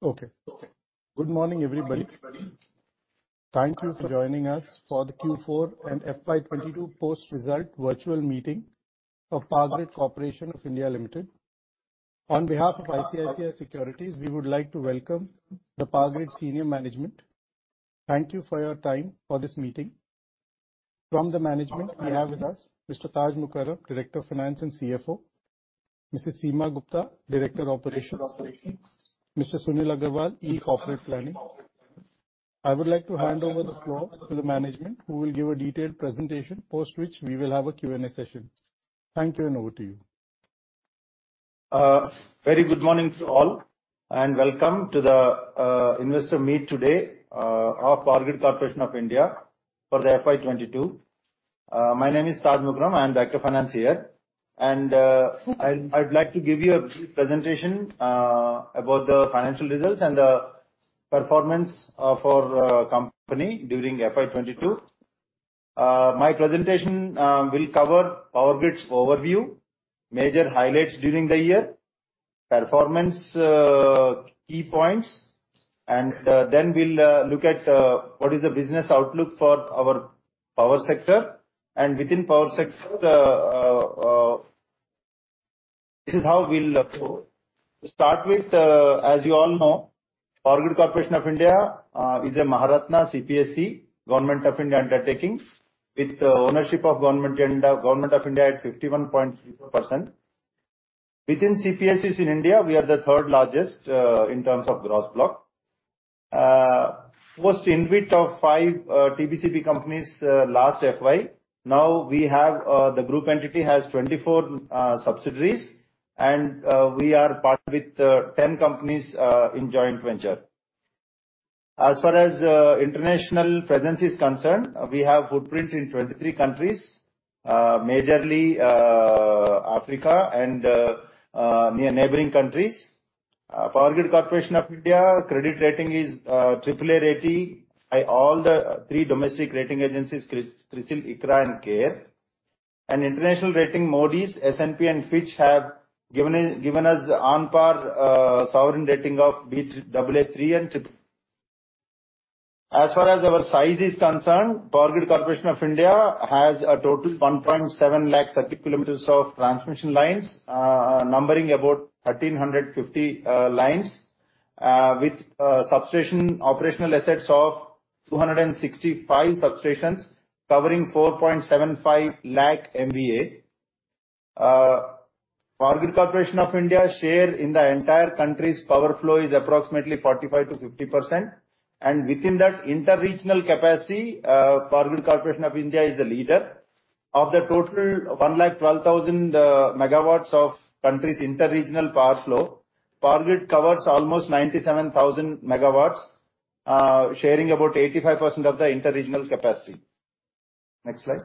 Okay. Good morning, everybody. Thank you for joining us for the Q4 and FY 2022 post result virtual meeting of Power Grid Corporation of India Limited. On behalf of ICICI Securities, we would like to welcome the Power Grid senior management. Thank you for your time for this meeting. From the management, we have with us Mr. Taj Mukarrum, Director of Finance and CFO, Mrs. Seema Gupta, Director Operations, Mr. Sunil Agarwal, Executive, Corporate Planning. I would like to hand over the floor to the management who will give a detailed presentation, post which we will have a Q&A session. Thank you, and over to you. Very good morning to all, and welcome to the investor meet today of Power Grid Corporation of India for the FY 2022. My name is Taj Mukarram. I am Director of Finance here. I'd like to give you a brief presentation about the financial results and the performance of our company during FY 2022. My presentation will cover Power Grid's overview, major highlights during the year, performance, key points, and then we'll look at what is the business outlook for our power sector. Within power sector, this is how we'll start with. As you all know, Power Grid Corporation of India is a Maharatna CPSE Government of India undertaking, with ownership of Government of India at 51.34%. Within CPSEs in India, we are the third-largest in terms of gross block. Post investment in 5 TBCB companies last FY, the group entity has 24 subsidiaries and we partner with 10 companies in joint venture. As far as international presence is concerned, we have footprint in 23 countries, majorly Africa and near neighboring countries. Power Grid Corporation of India credit rating is AAA rating by all three domestic rating agencies, CRISIL, ICRA and CARE. International rating, Moody's, S&P and Fitch have given us on par with sovereign rating of Baa3 and BBB. As far as our size is concerned, Power Grid Corporation of India has a total 1.7 lakh circuit kilometers of transmission lines, numbering about 1,350 lines, with substation operational assets of 265 substations covering 4.75 lakh MVA. Power Grid Corporation of India's share in the entire country's power flow is approximately 45%-50%. Within that interregional capacity, Power Grid Corporation of India is the leader. Of the total 1,12,000 MW of country's interregional power flow, Power Grid covers almost 97,000 MW, sharing about 85% of the interregional capacity. Next slide.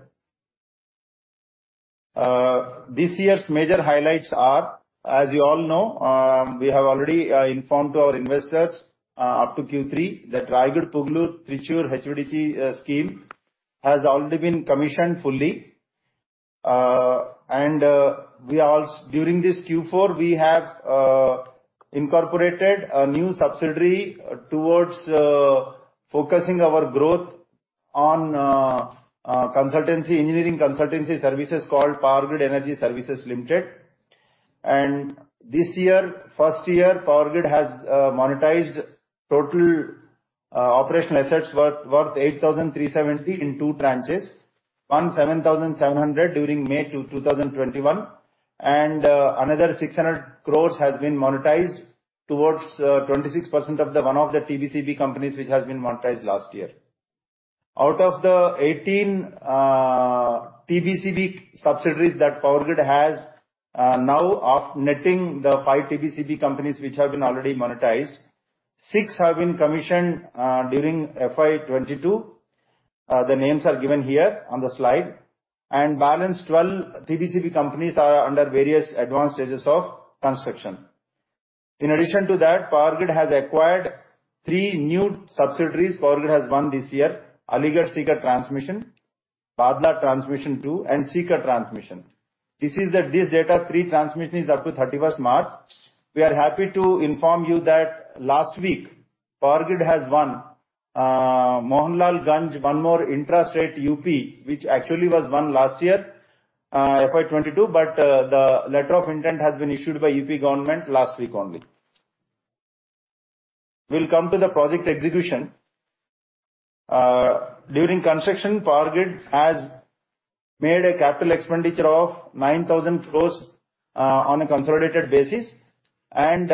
This year's major highlights are, as you all know, we have already informed our investors, up to Q3 that Raigarh-Pugalur-Thrissur HVDC scheme has already been commissioned fully. During this Q4, we have incorporated a new subsidiary towards focusing our growth on consultancy, engineering consultancy services called Powergrid Energy Services Limited. This year, first year, Power Grid has monetized total operational assets worth 8,370 crore in two tranches. One, 7,700 crore during May 2021, and another 600 crore has been monetized towards 26% of one of the TBCB companies which has been monetized last year. Out of the 18 TBCB subsidiaries that Power Grid has, now offsetting the 5 TBCB companies which have been already monetized, six have been commissioned during FY 2022. The names are given here on the slide. Balance 12 TBCB companies are under various advanced stages of construction. In addition to that, Power Grid has acquired three new subsidiaries Power Grid has won this year, Aligarh-Sikar Transmission, Bhadla Transmission Two, and Sikar Transmission. This is as of this date. Three transmissions up to 31st March. We are happy to inform you that last week, Power Grid has won Mohanlalganj, one more intrastate UP, which actually was won last year, FY 2022, but the letter of intent has been issued by UP government last week only. We'll come to the project execution. During construction, Power Grid has made a capital expenditure of 9,000 crore on a consolidated basis. On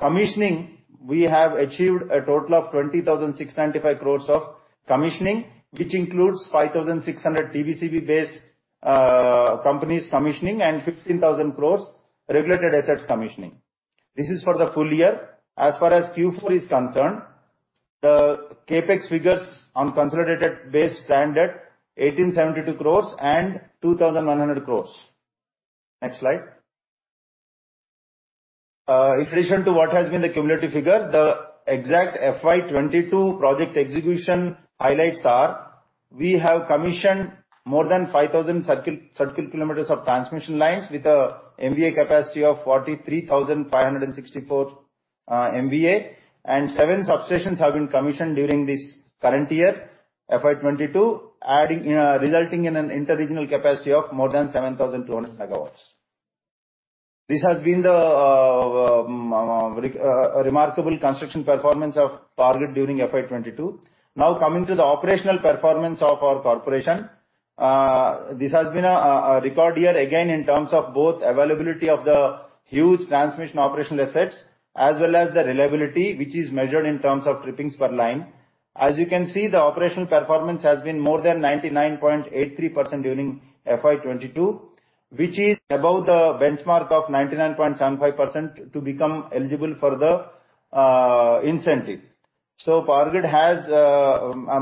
commissioning, we have achieved a total of 20,695 crore of commissioning, which includes 5,600 crore TBCB-based companies commissioning and 15,000 crore regulated assets commissioning. This is for the full year. As far as Q4 is concerned, the CapEx figures on consolidated base stand at 1,872 crore and 2,100 crore. Next slide. In addition to what has been the cumulative figure, the exact FY 2022 project execution highlights are. We have commissioned more than 5,000 circle kilometers of transmission lines with a MVA capacity of 43,564 MVA. Seven substations have been commissioned during this current year, FY 2022, adding resulting in an inter-regional capacity of more than 7,200 MW. This has been the remarkable construction performance of PowerGrid during FY 2022. Now coming to the operational performance of our corporation. This has been a record year again in terms of both availability of the huge transmission operational assets as well as the reliability, which is measured in terms of trippings per line. As you can see, the operational performance has been more than 99.83% during FY 2022, which is above the benchmark of 99.75% to become eligible for the incentive. PowerGrid has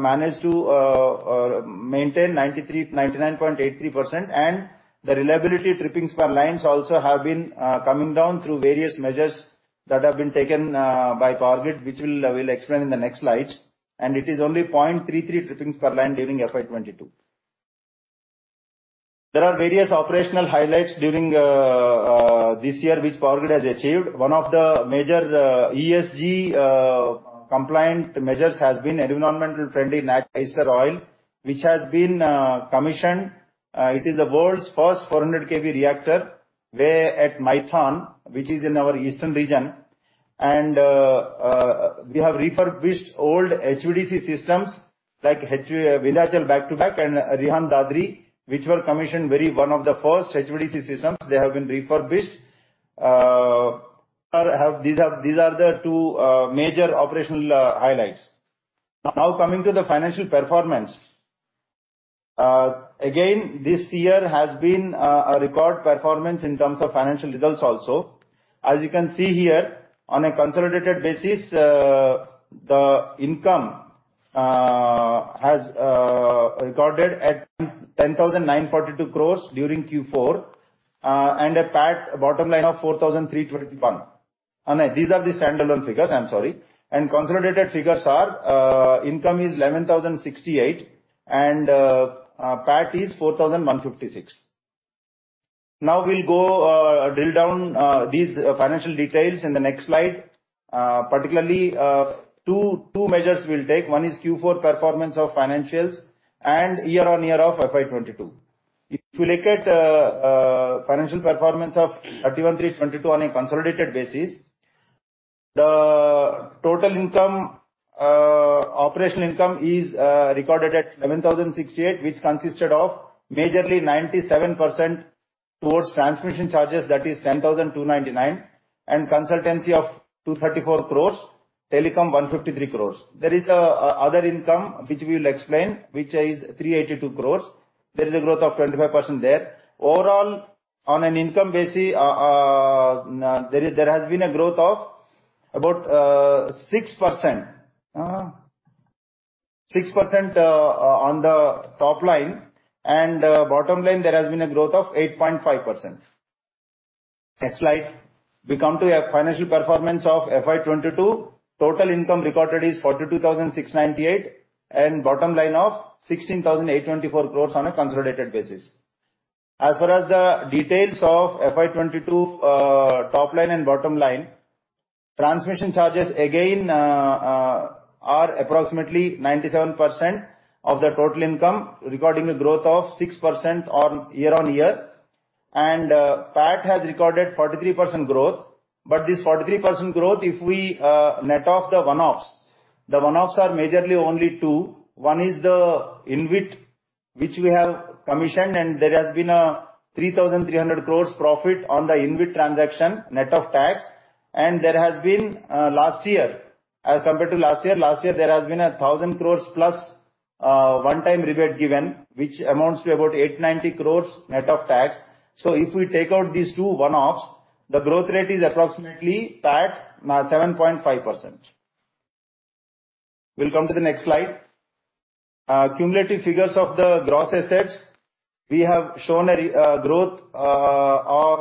managed to maintain 99.83%. The reliability trippings per lines also have been coming down through various measures that have been taken by PowerGrid, which we'll explain in the next slides. It is only 0.33 trippings per line during FY 2022. There are various operational highlights during this year which PowerGrid has achieved. One of the major ESG compliant measures has been environmentally friendly natural ester oil, which has been commissioned. It is the world's first 400 kV reactor bay at Maithon, which is in our eastern region. We have refurbished old HVDC systems like Vindhyachal Back-to-Back and Rihand-Dadri, which were commissioned very early one of the first HVDC systems. They have been refurbished. These are the two major operational highlights. Now coming to the financial performance. Again, this year has been a record performance in terms of financial results also. As you can see here, on a consolidated basis, the income has recorded at 10,942 crores during Q4, and a PAT bottom line of 4,321 crores. These are the standalone figures, I'm sorry. Consolidated figures are income is 11,068 crore and PAT is 4,156 crore. Now we'll go drill down these financial details in the next slide. Particularly, two measures we'll take. One is Q4 performance of financials and year-on-year of FY 2022. If you look at financial performance of 31/3/2022 on a consolidated basis, the total income, operational income is recorded at 11,068 crore, which consisted of majorly 97% towards transmission charges, that is 10,299 crore, and consultancy of 234 crores, telecom 153 crores. There is other income which we will explain, which is 382 crores. There is a growth of 25% there. Overall, on an income basis, there has been a growth of about 6%. 6% on the top line and bottom line there has been a growth of 8.5%. Next slide. We come to a financial performance of FY 2022. Total income recorded is 42,698 crores and bottom line of 16,824 crores on a consolidated basis. As far as the details of FY 2022, top line and bottom line, transmission charges again are approximately 97% of the total income, recording a growth of 6% year-on-year. PAT has recorded 43% growth. But this 43% growth, if we net off the one-offs, the one-offs are majorly only two. One is the InvIT which we have commissioned, and there has been a 3,300 crores profit on the InvIT transaction, net of tax. There has been last year as compared to last year a thousand crores plus one-time rebate given, which amounts to about 890 crore net of tax. If we take out these two one-offs, the growth rate is approximately PAT 7.5%. We'll come to the next slide. Cumulative figures of the gross assets. We have shown a growth of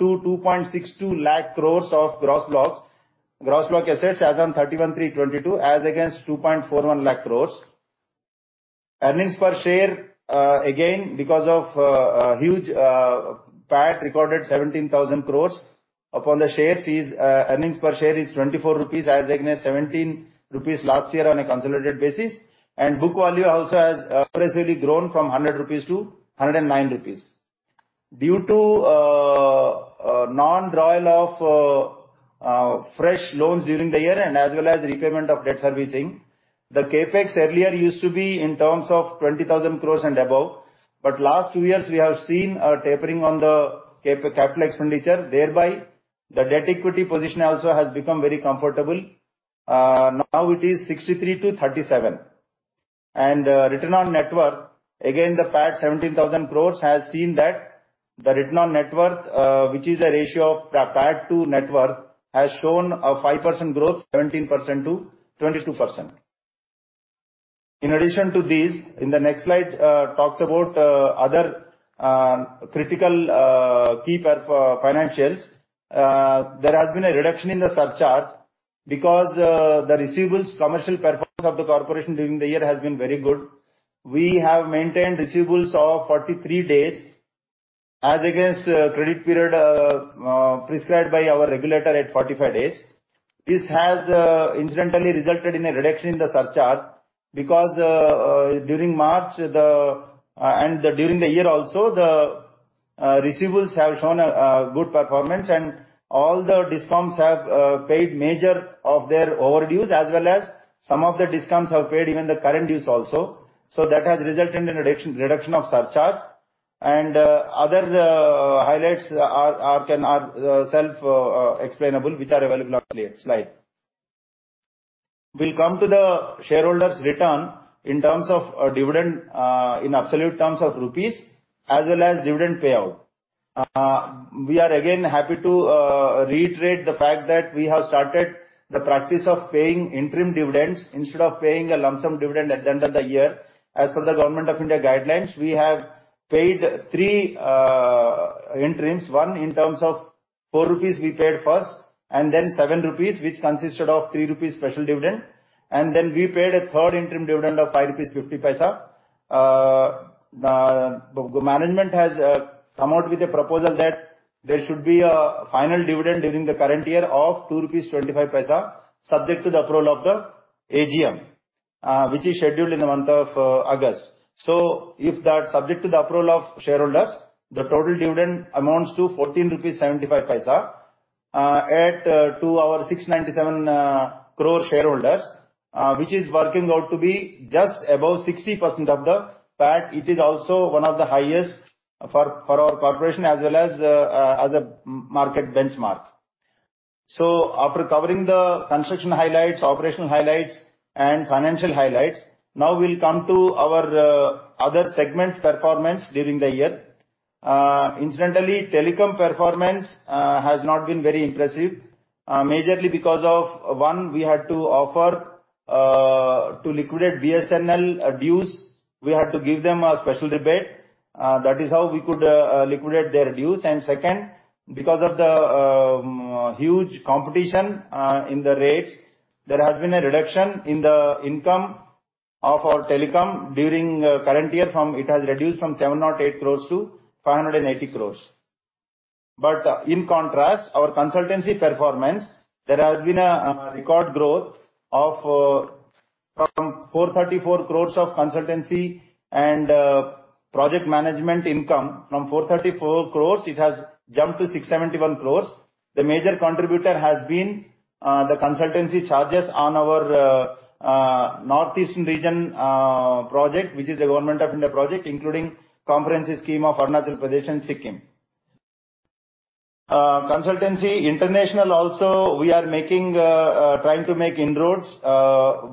2.62 lakh crore of gross blocks. Gross block assets as on 31/3/2022 as against 2.41 lakh crore. Earnings per share, again, because of a huge PAT recorded 17,000 crore upon the shares is, earnings per share is 24 rupees as against 17 rupees last year on a consolidated basis. Book value also has aggressively grown from 100-109 rupees. Due to non-drawal of fresh loans during the year and as well as repayment of debt servicing, the CapEx earlier used to be in terms of 20,000 crore and above. Last two years we have seen a tapering on the capital expenditure. Thereby, the debt equity position also has become very comfortable. Now it is 63-37. Return on net worth, again, the PAT 17,000 crore has seen that the return on net worth, which is a ratio of PAT to net worth, has shown a 5% growth, 17%-22%. In addition to these, in the next slide talks about other critical key financials. There has been a reduction in the surcharge. Because the receivables collection performance of the corporation during the year has been very good. We have maintained receivables of 43 days as against credit period prescribed by our regulator at 45 days. This has incidentally resulted in a reduction in the surcharge because during March and during the year also, the receivables have shown a good performance, and all the DISCOMs have paid majority of their overdues as well as some of the DISCOMs have paid even the current dues also. That has resulted in a reduction of surcharge. Other highlights are self-explainable, which are available on the slide. We'll come to the shareholders' return in terms of dividend in absolute terms of rupees as well as dividend payout. We are again happy to reiterate the fact that we have started the practice of paying interim dividends instead of paying a lump sum dividend at the end of the year. As per the Government of India guidelines, we have paid three interims. One, in terms of 4 rupees we paid first, and then 7 rupees, which consisted of 3 rupees special dividend. Then we paid a third interim dividend of 5.50 rupees. The management has come out with a proposal that there should be a final dividend during the current year of INR 2.25, subject to the approval of the AGM, which is scheduled in the month of August. If that's subject to the approval of shareholders, the total dividend amounts to 14.75 rupees, a total of 697 crore to our shareholders, which is working out to be just above 60% of the PAT. It is also one of the highest for our corporation as well as a market benchmark. After covering the construction highlights, operational highlights, and financial highlights, now we'll come to our other segment performance during the year. Incidentally, telecom performance has not been very impressive, majorly because, one, we had to offer to liquidate BSNL dues. We had to give them a special rebate. That is how we could liquidate their dues. Second, because of the huge competition in the rates, there has been a reduction in the income of our telecom during current year. It has reduced from 708 crore to 580 crore. In contrast, our consultancy performance, there has been a record growth from 434 crore of consultancy and project management income. From 434 crore, it has jumped to 671 crore. The major contributor has been the consultancy charges on our northeastern region project, which is a Government of India project, including comprehensive scheme of Arunachal Pradesh and Sikkim. Consultancy international also we are making trying to make inroads.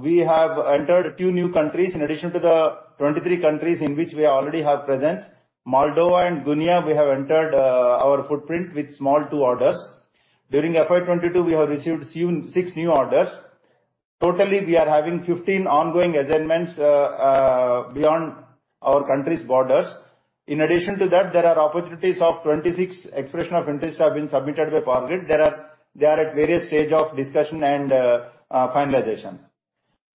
We have entered two new countries in addition to the 23 countries in which we already have presence. Moldova and Guinea, we have entered our footprint with small 2 orders. During FY 2022, we have received six new orders. Totally, we are having 15 ongoing assignments beyond our country's borders. In addition to that, there are opportunities of 26 expressions of interest have been submitted by Power Grid. They are at various stages of discussion and finalization.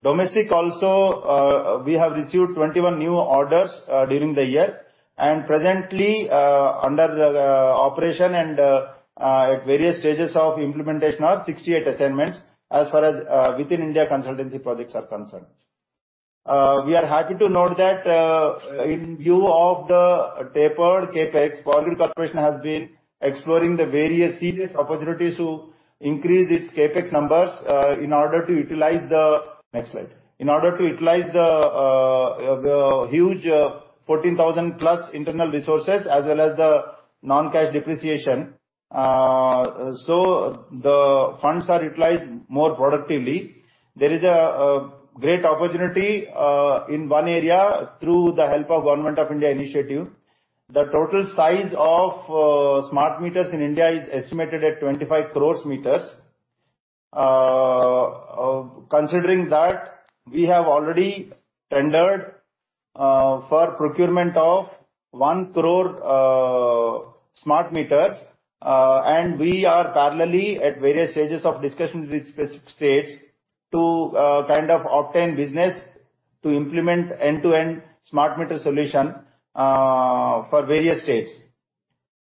Domestic also, we have received 21 new orders during the year, and presently, under the operation and at various stages of implementation are 68 assignments as far as within India consultancy projects are concerned. We are happy to note that, in view of the tapered CapEx, Power Grid Corporation has been exploring the various serious opportunities to increase its CapEx numbers, in order to utilize the. Next slide. In order to utilize the huge 14,000+ internal resources as well as the non-cash depreciation. The funds are utilized more productively. There is a great opportunity in one area through the help of Government of India initiative. The total size of smart meters in India is estimated at 25 crore meters. Considering that, we have already tendered for procurement of 1 crore smart meters. We are parallelly at various stages of discussion with specific states to kind of obtain business to implement end-to-end smart meter solution for various states.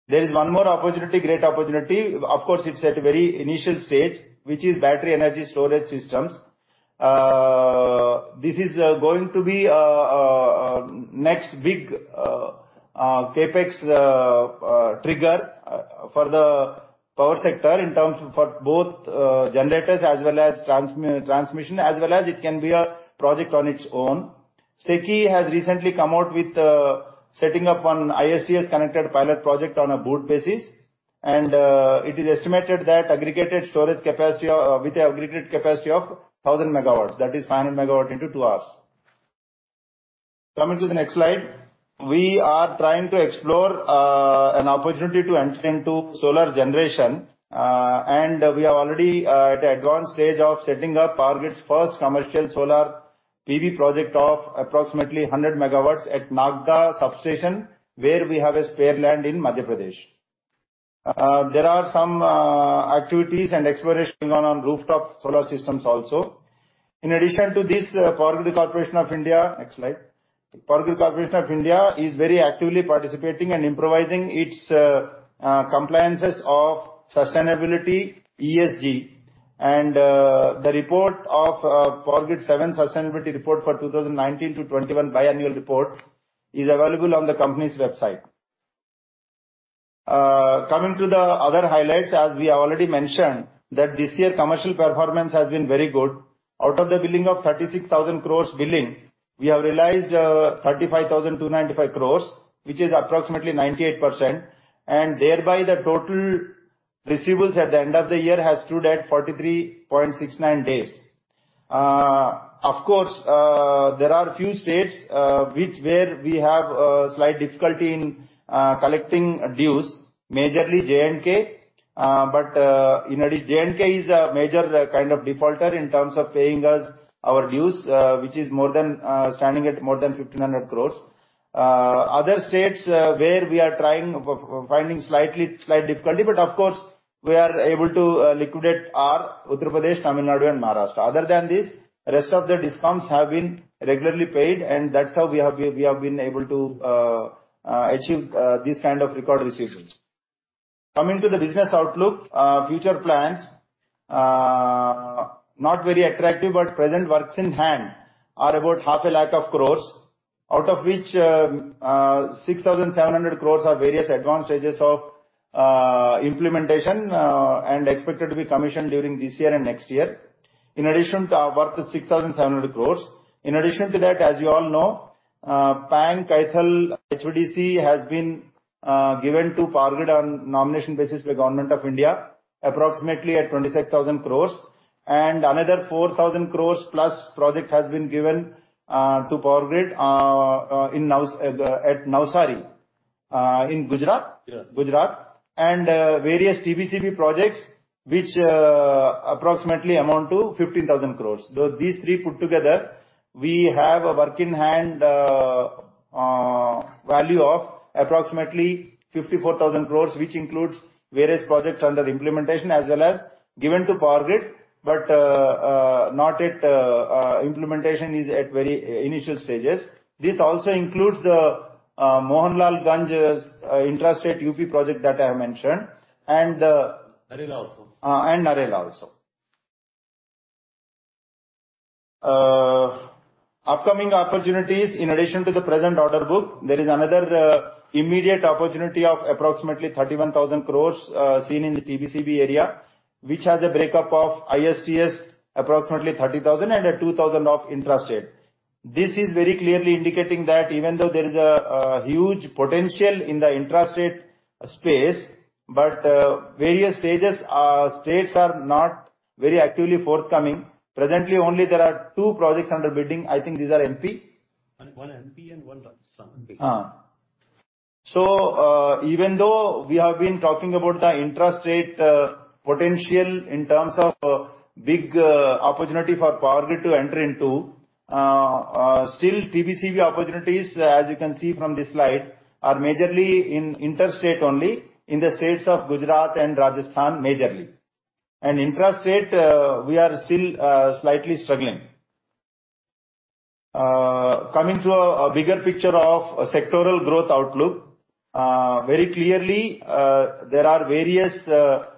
There is one more opportunity, great opportunity. Of course, it's at a very initial stage, which is battery energy storage systems. This is going to be next big CapEx trigger for the power sector in terms of for both generators as well as transmission, as well as it can be a project on its own. SECI has recently come out with setting up one ISTS connected pilot project on a BOOT basis. It is estimated that aggregated storage capacity with the aggregated capacity of 1,000 MW. That is 500 MW into two hours. Coming to the next slide. We are trying to explore an opportunity to enter into solar generation. We are already at advanced stage of setting up Power Grid's first commercial solar PV project of approximately 100 MW at Nagda substation, where we have a spare land in Madhya Pradesh. There are some activities and exploration going on rooftop solar systems also. In addition to this, Power Grid Corporation of India. Next slide. Power Grid Corporation of India is very actively participating and improvising its compliances of sustainability ESG. The report of Power Grid seventh sustainability report for 2019 to 2021 biannual report is available on the company's website. Coming to the other highlights, as we already mentioned, that this year commercial performance has been very good. Out of the billing of 36,000 crores, we have realized 35,295 crores, which is approximately 98%. Thereby, the total receivables at the end of the year has stood at 43.69 days. Of course, there are a few states where we have slight difficulty in collecting dues, majorly J&K. J&K is a major kind of defaulter in terms of paying us our dues, which is standing at more than 1,500 crores. Other states where we are finding slight difficulty, but of course, we are able to liquidate our Uttar Pradesh, Tamil Nadu and Maharashtra. Other than this, rest of the discoms have been regularly paid, and that's how we have been able to achieve this kind of record receivables. Coming to the business outlook, future plans. Not very attractive, but present works in hand are about half a lakh of crores, out of which, six thousand seven hundred crores are in various advanced stages of implementation and expected to be commissioned during this year and next year. In addition to our work is six thousand seven hundred crores. In addition to that, as you all know, Pang-Kaithal HVDC has been given to Power Grid on nomination basis by Government of India approximately at 27,000 crores. Another four thousand crores plus project has been given to Power Grid in Navsari in Gujarat? Yeah. Gujarat. Various TBCB projects, which approximately amount to 15,000 crore. Though these three put together, we have a work in hand value of approximately 54,000 crore, which includes various projects under implementation as well as given to Power Grid, implementation is at very initial stages. This also includes the Mohanlalganj intrastate UP project that I have mentioned and Narela also. Narela also. Upcoming opportunities. In addition to the present order book, there is another immediate opportunity of approximately 31,000 crore seen in the TBCB area, which has a breakup of ISTS, approximately 30,000 and 2,000 of intrastate. This is very clearly indicating that even though there is a huge potential in the intrastate space, but various states are not very actively forthcoming. Presently, only there are two projects under bidding. I think these are MP. One MP and one Rajasthan. Even though we have been talking about the intrastate potential in terms of big opportunity for Power Grid to enter into still TBCB opportunities, as you can see from this slide, are majorly in interstate only in the states of Gujarat and Rajasthan, majorly. Intrastate, we are still slightly struggling. Coming to a bigger picture of sectoral growth outlook. Very clearly, there are various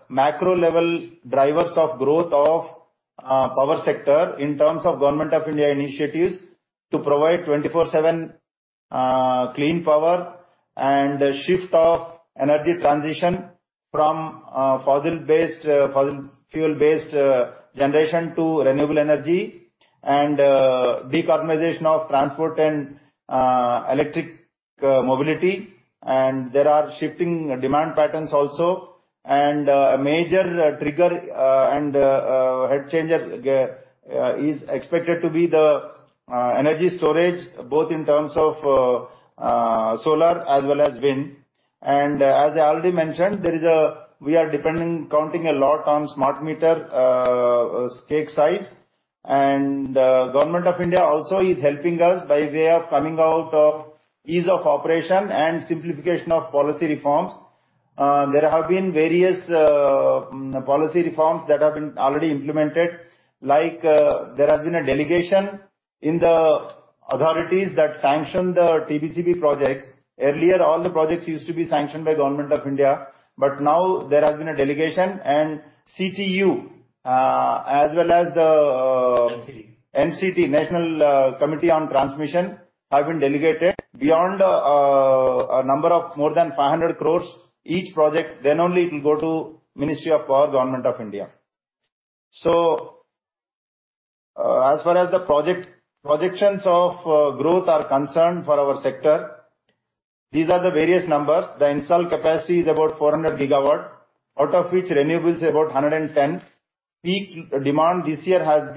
macro level drivers of growth of power sector in terms of Government of India initiatives to provide 24/7 clean power and shift of energy transition from fossil fuel-based generation to renewable energy and decarbonization of transport and electric mobility. There are shifting demand patterns also. A major trigger and game changer is expected to be the energy storage, both in terms of solar as well as wind. As I already mentioned, we are depending, counting a lot on smart meter stake size. Government of India also is helping us by way of coming out of ease of operation and simplification of policy reforms. There have been various policy reforms that have been already implemented. Like, there has been a delegation of the authorities that sanction the TBCB projects. Earlier, all the projects used to be sanctioned by Government of India, but now there has been a delegation and CTU as well as the. NCT, National Committee on Transmission, have been delegated. Beyond a number of more than 500 crores each project, then only it will go to Ministry of Power, Government of India. As far as the project projections of growth are concerned for our sector, these are the various numbers. The installed capacity is about 400 GW, out of which renewables are about 110. Peak demand this year has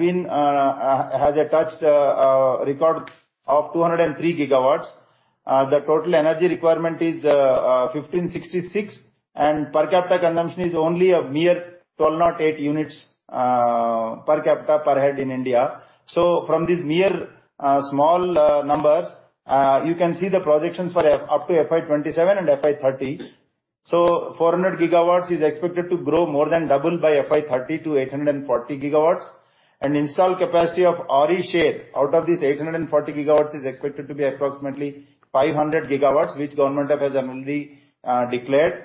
touched a record of 203 GW. The total energy requirement is 1,566, and per capita consumption is only a mere 1,208 units per capita per head in India. From these mere small numbers, you can see the projections for up to FY 2027 and FY 2030. 400 GW is expected to grow more than double by FY 2030 to 840 GW. Installed capacity of RE share out of these 840 GW is expected to be approximately 500 GW, which Government of India has already declared.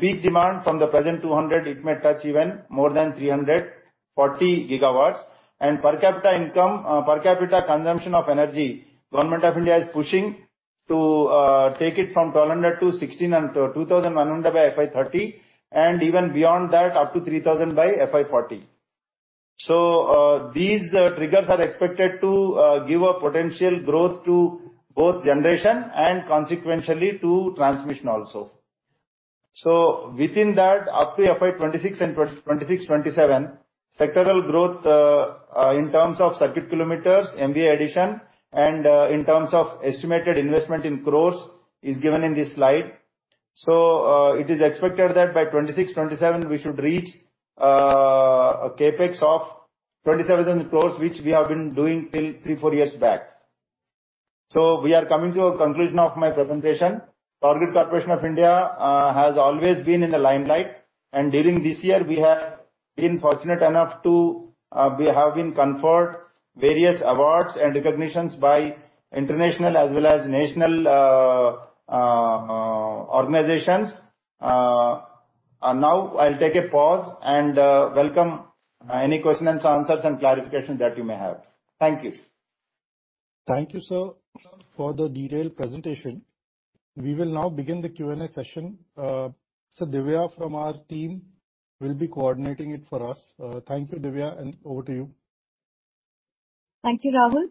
Peak demand from the present 200, it may touch even more than 340 GW. Per capita income, per capita consumption of energy, Government of India is pushing to take it from 1,200 to 1,600 and 2,100 by FY 2030, and even beyond that up to 3,000 by FY 2040. These triggers are expected to give a potential growth to both generation and consequentially to transmission also. Within that, up to FY 2026 and 2027, sectoral growth in terms of circuit kilometers, MVA addition, and in terms of estimated investment in crores is given in this slide. It is expected that by 2026-2027, we should reach a CapEx of 27 crores, which we have been doing till 3-4 years back. We are coming to a conclusion of my presentation. Power Grid Corporation of India has always been in the limelight. During this year, we have been fortunate enough to we have been conferred various awards and recognitions by international as well as national organizations. Now I'll take a pause and welcome any questions and answers and clarifications that you may have. Thank you. Thank you, sir, for the detailed presentation. We will now begin the Q&A session. Divya from our team will be coordinating it for us. Thank you, Divya, and over to you. Thank you, Rahul.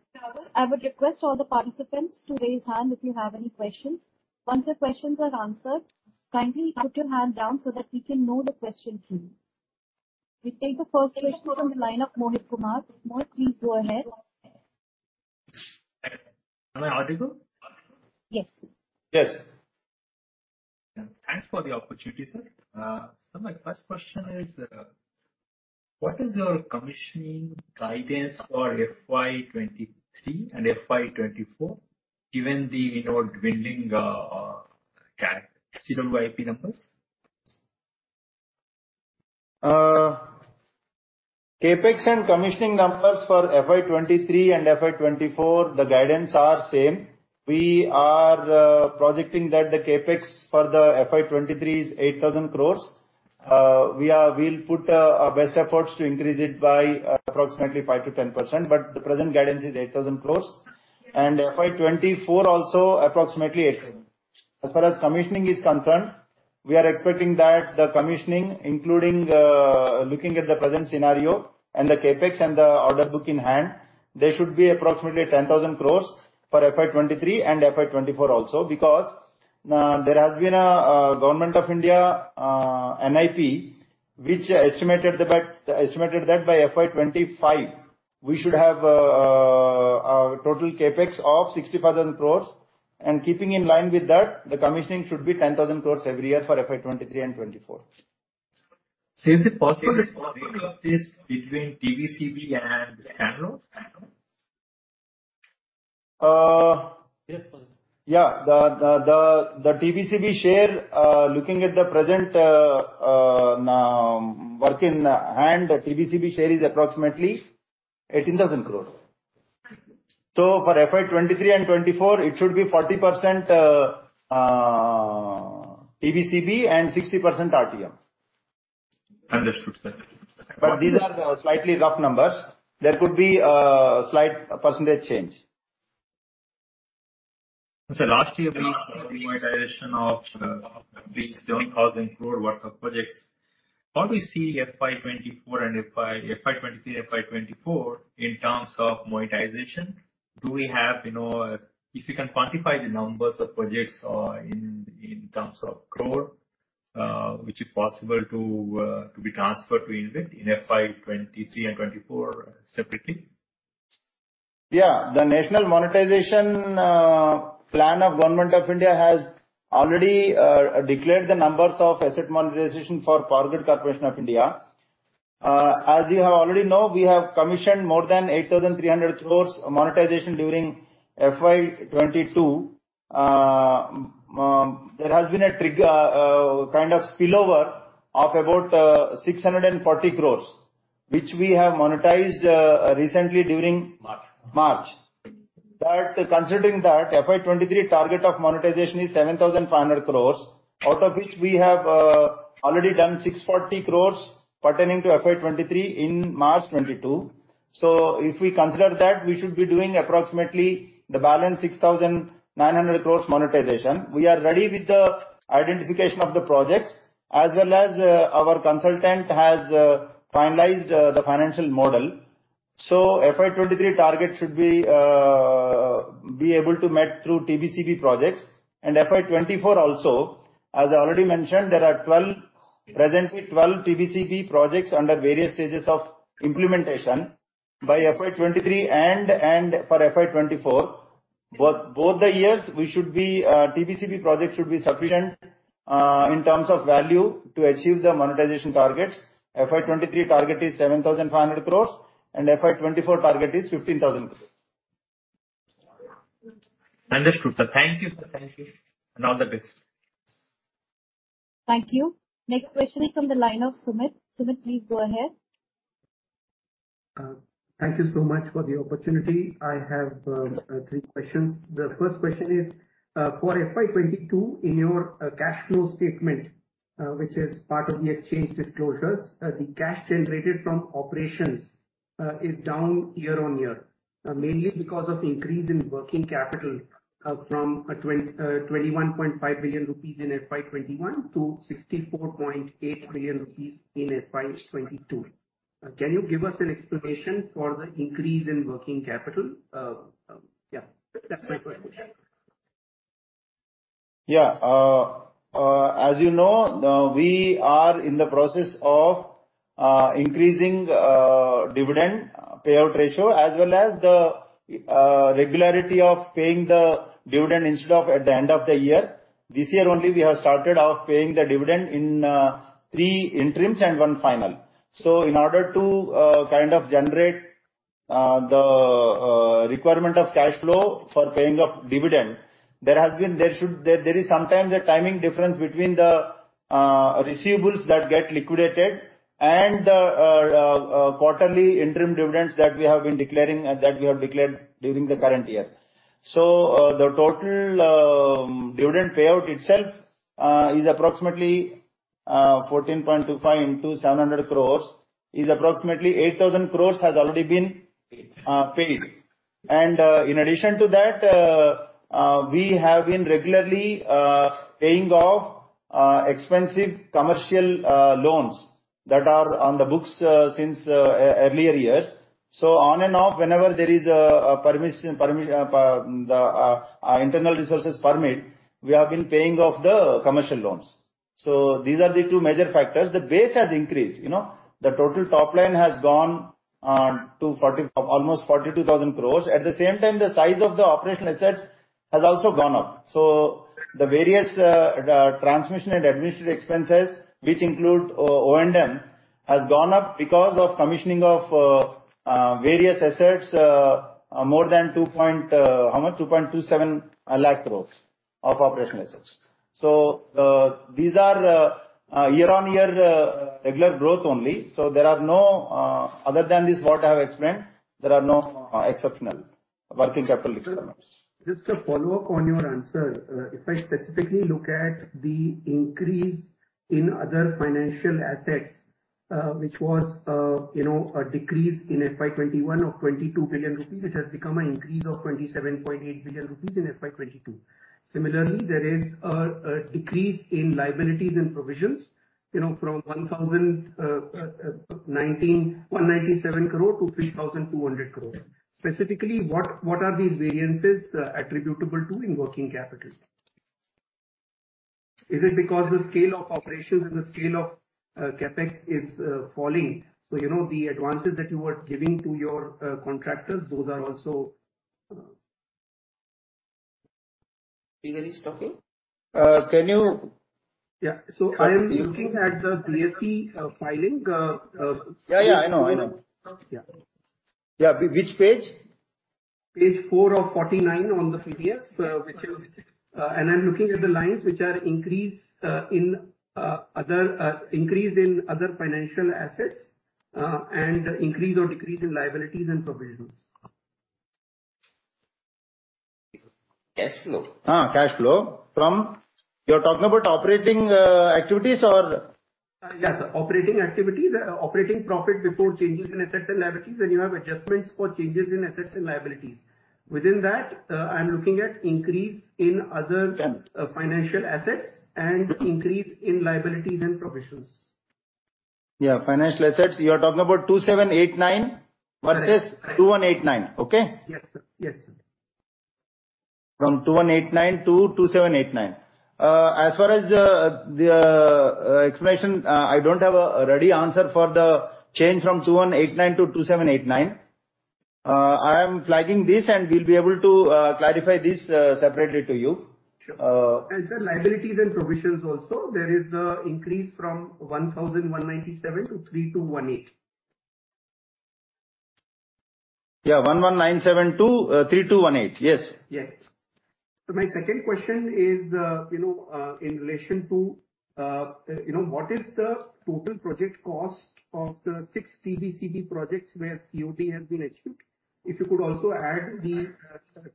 I would request all the participants to raise hand if you have any questions. Once the questions are answered, kindly put your hand down so that we can know the question queue. We take the first question from the lineup, Mohit Kumar. Mohit, please go ahead. Am I audible? Yes. Yes. Thanks for the opportunity, sir. My first question is, what is your commissioning guidance for FY 2023 and FY 2024, given the, you know, dwindling CWIP numbers? CapEx and commissioning numbers for FY 2023 and FY 2024, the guidance are same. We are projecting that the CapEx for the FY 2023 is 8,000 crores. We'll put our best efforts to increase it by approximately 5%-10%, but the present guidance is 8,000 crores. FY 2024 also approximately 8,000. As far as commissioning is concerned, we are expecting that the commissioning, including looking at the present scenario and the CapEx and the order book in hand, there should be approximately 10,000 crores for FY 2023 and FY 2024 also. There has been a Government of India NIP which estimated that by FY 2025, we should have a total CapEx of 65,000 crores. Keeping in line with that, the commissioning should be 10,000 crore every year for FY 2023 and 2024. Is it possible to break up this between TBCB and the standalone? Standalone. Uh. Yeah. The TBCB share, looking at the present work in hand, is approximately 18,000 crore. For FY 2023 and 2024, it should be 40% TBCB and 60% RTM. Understood, sir. These are the slightly rough numbers. There could be a slight percentage change. Sir, last year we saw the monetization of at least 7,000 crore worth of projects. What we see FY 2023 and FY 2024 in terms of monetization, do we have, you know, if you can quantify the numbers of projects in terms of crore, which is possible to be transferred to InvIT in FY 2023 and 2024 separately? Yeah. The National Monetization Plan of Government of India has already declared the numbers of asset monetization for Power Grid Corporation of India. As you already know, we have commissioned more than 8,300 crores monetization during FY 2022. There has been a kind of spillover of about 640 crores, which we have monetized recently during- March. Considering that FY 2023 target of monetization is 7,500 crores, out of which we have already done 640 crores pertaining to FY 2023 in March 2022. If we consider that, we should be doing approximately the balance 6,900 crores monetization. We are ready with the identification of the projects, as well as our consultant has finalized the financial model. FY 2023 target should be able to met through TBCB projects. FY 2024 also, as I already mentioned, there are 12, presently 12 TBCB projects under various stages of implementation. By FY 2023 and for FY 2024. Both the years, we should be, TBCB projects should be sufficient in terms of value to achieve the monetization targets. FY 2023 target is 7,500 crores and FY 2024 target is 15,000 crores. Understood, sir. Thank you, sir. Thank you. All the best. Thank you. Next question is from the line of Sumit. Sumit, please go ahead. Thank you so much for the opportunity. I have three questions. The first question is for FY 2022, in your cash flow statement, which is part of the exchange disclosures, the cash generated from operations is down year-on-year, mainly because of increase in working capital, from 21.5 billion rupees in FY 2021 to 64.8 billion rupees in FY 2022. Can you give us an explanation for the increase in working capital? Yeah, that's my first question. Yeah. As you know, we are in the process of increasing dividend payout ratio as well as the regularity of paying the dividend instead of at the end of the year. This year only we have started off paying the dividend in 3 interims and 1 final. In order to kind of generate the requirement of cash flow for paying of dividend, there is sometimes a timing difference between the receivables that get liquidated and the quarterly interim dividends that we have been declaring that we have declared during the current year. The total dividend payout itself is approximately 14.25 into 700 crores, is approximately 8,000 crores has already been paid. In addition to that, we have been regularly paying off expensive commercial loans that are on the books since earlier years. On and off, whenever there is a permit, the internal resources permit, we have been paying off the commercial loans. These are the two major factors. The base has increased, you know. The total top line has gone to almost 42,000 crore. At the same time, the size of the operational assets has also gone up. The various transmission and administrative expenses, which include O&M, has gone up because of commissioning of various assets, more than 2.27 lakh crore of operational assets. These are year-on-year regular growth only. There are no exceptional working capital requirements other than what I've explained. Just a follow-up on your answer. If I specifically look at the increase in other financial assets, which was, you know, a decrease in FY 2021 of 22 billion rupees, it has become an increase of 27.8 billion rupees in FY 2022. Similarly, there is a decrease in liabilities and provisions, you know, from 1,197 crore to 3,200 crore. Specifically, what are these variances attributable to in working capital? Is it because the scale of operations and the scale of CapEx is falling? You know, the advances that you were giving to your contractors, those are also. Being released, okay. Uh, can you- Yeah. I am looking at the BSE filing. Yeah, yeah, I know. I know. Yeah. Yeah. Which page? Page four of 49 on the PDF. I'm looking at the lines which are increase in other financial assets, and increase or decrease in liabilities and provisions. Cash flow. Cash flow. From? You're talking about operating activities or? Yes. Operating activities. Operating profit before changes in assets and liabilities, and you have adjustments for changes in assets and liabilities. Within that, I'm looking at increase in other- Yeah. Financial assets and increase in liabilities and provisions. Yeah. Financial assets. You're talking about 2,789 versus 2,189. Okay? Yes. Yes. From 2189 to 2789. As far as the explanation, I don't have a ready answer for the change from 2189 to 2789. I am flagging this, and we'll be able to clarify this separately to you. Sure. Uh- Sir, liabilities and provisions also. There is increase from 1,197-3,218. Yeah. 1197 to 3218. Yes. Yes. My second question is, you know, in relation to, you know, what is the total project cost of the 6 TBCB projects where COD has been achieved? If you could also add the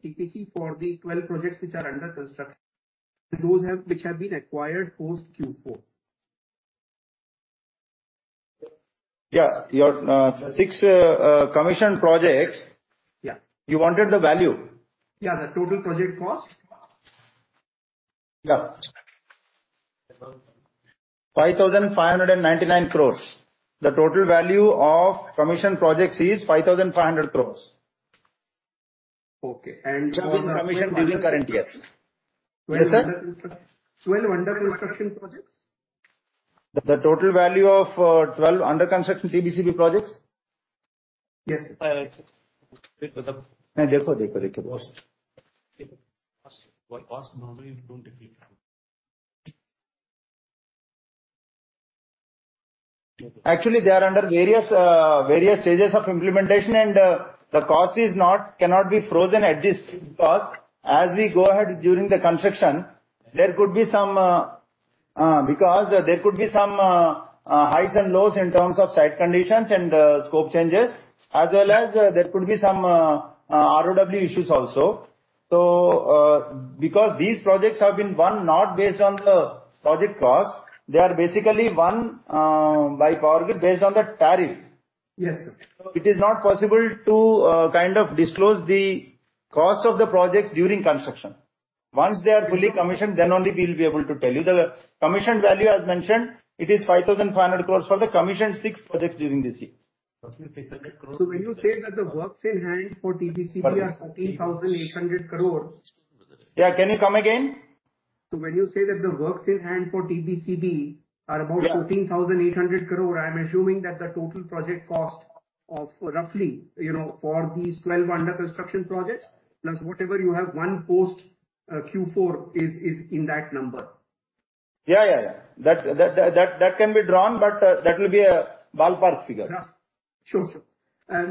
TPC for the 12 projects which are under construction. Those which have been acquired post Q4. Yeah. Your 6 commissioned projects. Yeah. You wanted the value? Yeah, the total project cost. Yeah. 5,599 crores. The total value of commissioned projects is 5,500 crores. Okay. Which have been commissioned during current year. Yes. Yes, sir. 12 under construction projects. The total value of 12 under construction TBCB projects? Yes. Actually, they are under various stages of implementation and the cost cannot be frozen at this cost. As we go ahead during the construction, there could be some highs and lows in terms of site conditions and scope changes, as well as there could be some ROW issues also. Because these projects have been won not based on the project cost, they are basically won by Power Grid based on the tariff. Yes, sir. It is not possible to disclose the cost of the project during construction. Once they are fully commissioned, then only we will be able to tell you. The commissioned value as mentioned, it is 5,500 crores for the commissioned 6 projects during this year. When you say that the works in hand for TBCB are INR 13,800 crores. Yeah. Can you come again? When you say that the works in hand for TBCB are about? Yeah. 13,800 crore, I am assuming that the total project cost of roughly, you know, for these 12 under construction projects, plus whatever you have won post Q4 is in that number. Yeah. That can be drawn, but that will be a ballpark figure. Yeah. Sure, sure.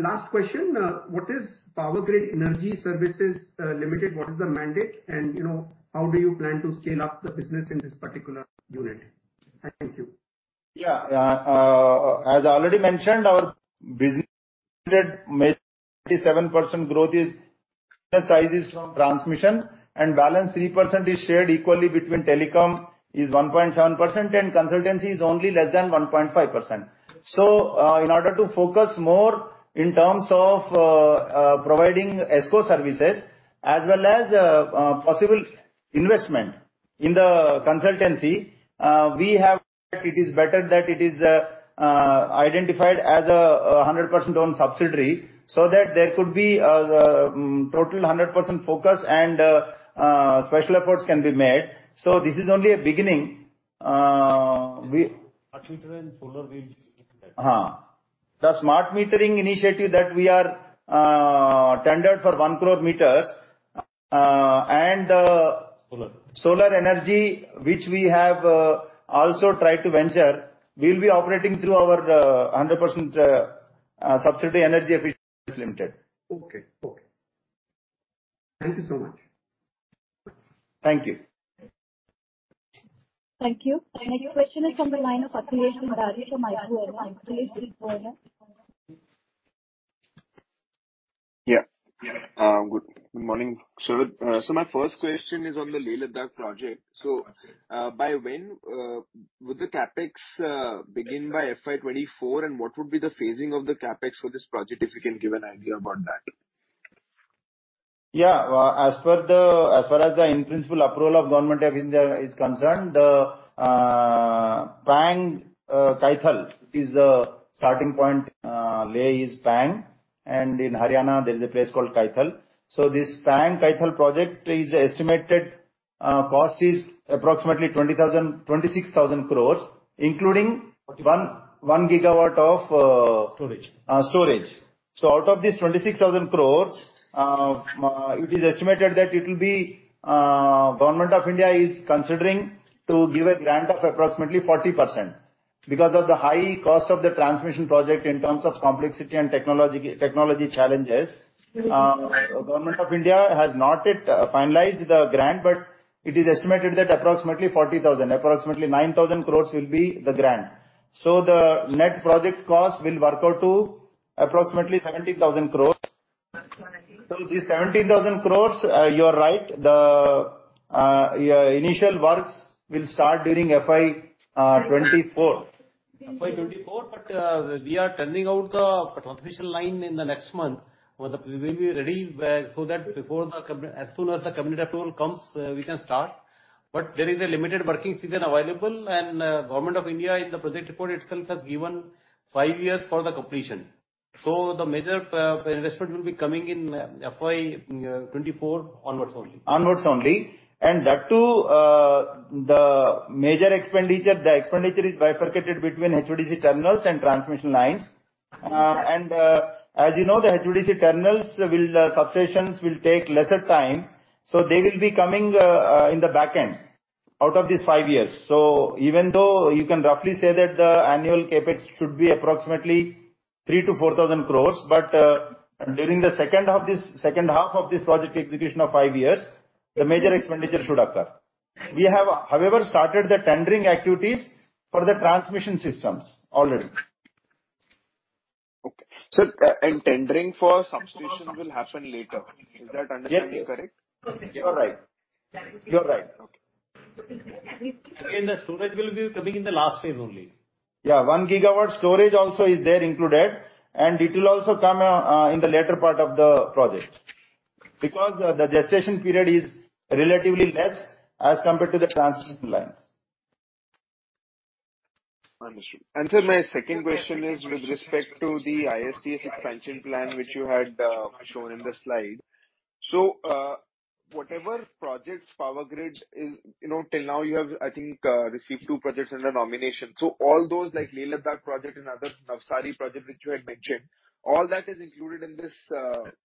Last question. What is Powergrid Energy Services Limited? What is the mandate? You know, how do you plan to scale up the business in this particular unit? Thank you. Yeah. As I already mentioned, our business unit major 77% growth is, size is from transmission, and balance 3% is shared equally between telecom is 1.7%, and consultancy is only less than 1.5%. In order to focus more in terms of, providing ESCO services as well as, possible investment in the consultancy, we have. It is better that it is, identified as a 100% owned subsidiary, so that there could be, total 100% focus and, special efforts can be made. This is only a beginning. Smart meter and solar we The smart metering initiative that we are tendered for 1 crore meters. Solar. Solar energy, which we have also tried to venture, we'll be operating through our 100% subsidiary, Energy Efficiency Services Limited. Okay. Okay. Thank you so much. Thank you. Thank you. Next question is from the line of Akhilesh Madan from ICICI. Please speak up. Good morning, sir. My first question is on the Leh-Ladakh project. By when would the CapEx begin by FY 2024, and what would be the phasing of the CapEx for this project? If you can give an idea about that. Yeah. As far as the in-principle approval of Government of India is concerned, the Pang-Kaithal is the starting point. Leh is Pang, and in Haryana there is a place called Kaithal. This Pang-Kaithal project estimated cost is approximately 26,000 crore, including one gigawatt of storage. Storage. Out of this 26,000 crores, it is estimated that it will be. Government of India is considering to give a grant of approximately 40%. Because of the high cost of the transmission project in terms of complexity and technology challenges, Government of India has not yet finalized the grant, but it is estimated that approximately 40 thousand, approximately 9,000 crores will be the grant. The net project cost will work out to approximately 17,000 crores. This 17,000 crores, you are right, the initial works will start during FY 2024. FY 2024, we are tendering out the transmission line in the next month. We will be ready so that as soon as the cabinet approval comes, we can start. There is a limited working season available. Government of India in the project report itself has given five years for the completion. The major investment will be coming in FY 2024 onwards only. Onwards only. That too, the major expenditure is bifurcated between HVDC terminals and transmission lines. As you know, the HVDC terminals and substations will take lesser time, so they will be coming in the back end of these five years. Even though you can roughly say that the annual CapEx should be approximately 3,000 crores-4,000 crores, but during the second half of this project execution of five years, the major expenditure should occur. We have, however, started the tendering activities for the transmission systems already. Okay. Tendering for substation will happen later. Is that understanding correct? Yes. You're right. Okay. The storage will be coming in the last phase only. Yeah. 1 GW storage also is there included, and it will also come in the later part of the project. Because the gestation period is relatively less as compared to the transmission lines. Understood. Sir, my second question is with respect to the ISTS expansion plan which you had shown in the slide. Whatever projects Power Grid is, you know, till now you have, I think, received two projects under nomination. All those like Leh-Ladakh project and other Navsari project which you had mentioned, all that is included in this,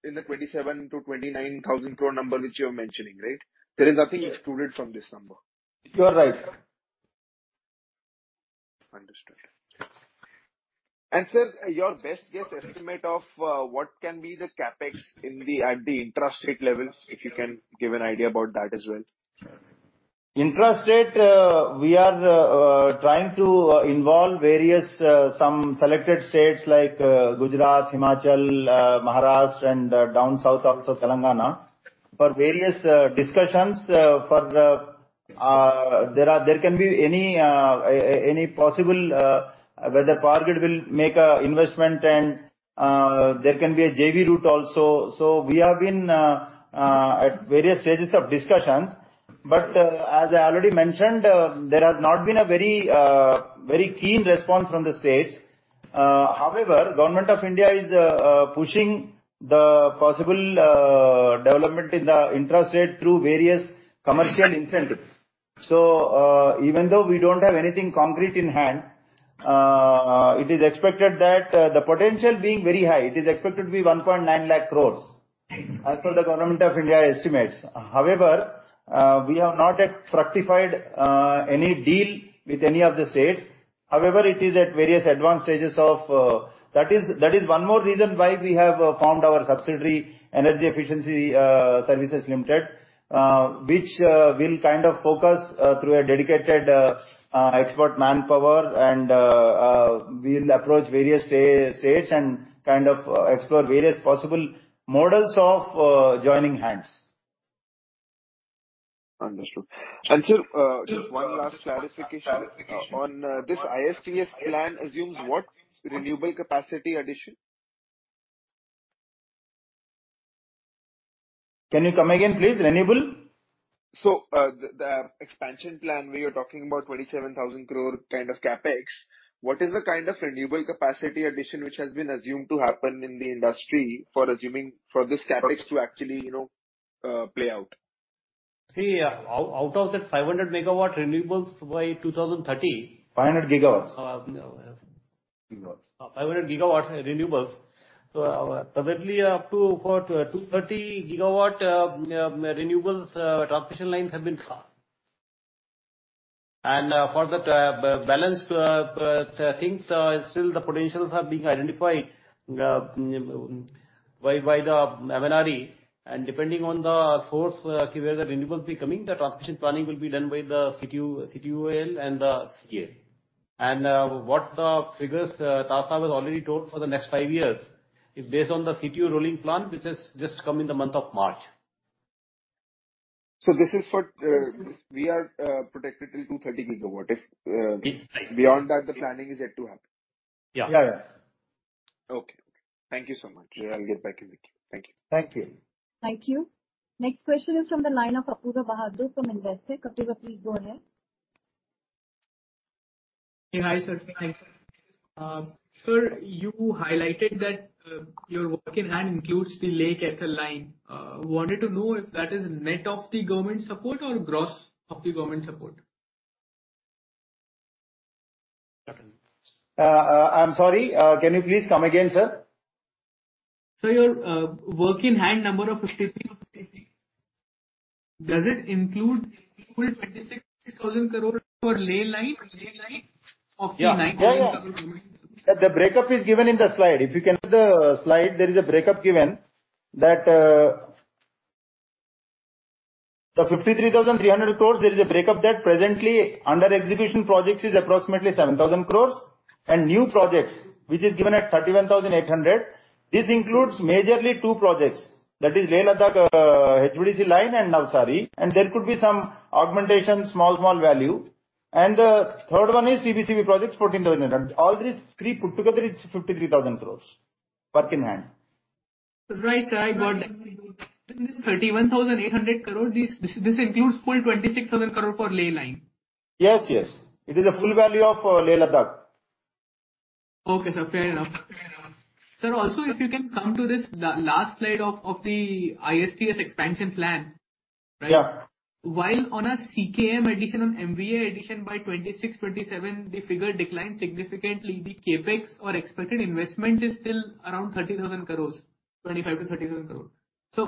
in the 27,000 crore-29,000 crore number which you're mentioning, right? There is nothing excluded from this number. You are right. Understood. Sir, your best guess estimate of what can be the CapEx at the intrastate level, if you can give an idea about that as well? Intrastate, we are trying to involve various some selected states like Gujarat, Himachal, Maharashtra, and down south also Telangana. For various discussions, there can be any possible whether Power Grid will make a investment and there can be a JV route also. We have been at various stages of discussions, but as I already mentioned, there has not been a very keen response from the states. However, Government of India is pushing the possible development in the intrastate through various commercial incentives. Even though we don't have anything concrete in hand, it is expected that, the potential being very high, it is expected to be 1.9 lakh crores as per the Government of India estimates. However, we have not yet fructified any deal with any of the states. However, it is at various advanced stages. That is one more reason why we have formed our subsidiary Energy Efficiency Services Limited, which will kind of focus through a dedicated expert manpower and we'll approach various states and kind of explore various possible models of joining hands. Understood. Sir, just one last clarification. On this ISTS plan assumes what renewable capacity addition? Can you come again, please? Renewable? The expansion plan where you're talking about 27,000 crore kind of CapEx, what is the kind of renewable capacity addition which has been assumed to happen in the industry for this CapEx to actually, you know, play out? See, out of that 500 MW renewables by 2030. 500 GW. Oh, yeah. Gigawatts. 500 GW renewables. Presently up to about 230 GW, renewables transmission lines have been. For that, balance, things, still the potentials are being identified, by the MNRE. Depending on the source where the renewables be coming, the transmission planning will be done by the CTU and the CEA. What the figures Seema Gupta has already told for the next 5 years is based on the CTU rolling plan, which has just come in the month of March. This is what we are protected till 230 GW. If beyond that the planning is yet to happen. Yeah. Yeah, yeah. Okay. Thank you so much. I'll get back in with you. Thank you. Thank you. Thank you. Next question is from the line of Apoorva Bahadur from Investec. Apoorva, please go ahead. Hi, sir. Sir, you highlighted that your work in hand includes the Leh-Kaithal line. Wanted to know if that is net of the government support or gross of the government support. I'm sorry. Can you please come again, sir? Sir, your work in hand number of 53. Does it include full 26,000 crore for Leh line of the 9,000 crore government support? The breakup is given in the slide. If you can see the slide, there is a breakup given that the 53,300 crores, there is a breakup that presently under execution projects is approximately 7,000 crores and new projects which is given at 31,800. This includes majorly two projects. That is Leh-Ladakh HVDC line and Navsari. There could be some augmentation, small value. The third one is TBCB projects, 14,800. All these three put together, it's 53,000 crores work in hand. Right, sir. I got that. In this 31,800 crore, this includes full 26,000 crore for Leh line. Yes, yes. It is a full value of Leh Ladakh. Okay, sir. Fair enough. Sir, also if you can come to this last slide of the ISTS expansion plan, right? Yeah. While on a CKM addition, on MVA addition by 26%-27%, the figure declines significantly. The CapEx or expected investment is still around 30,000 crore, 25,000 crore-30,000 crore.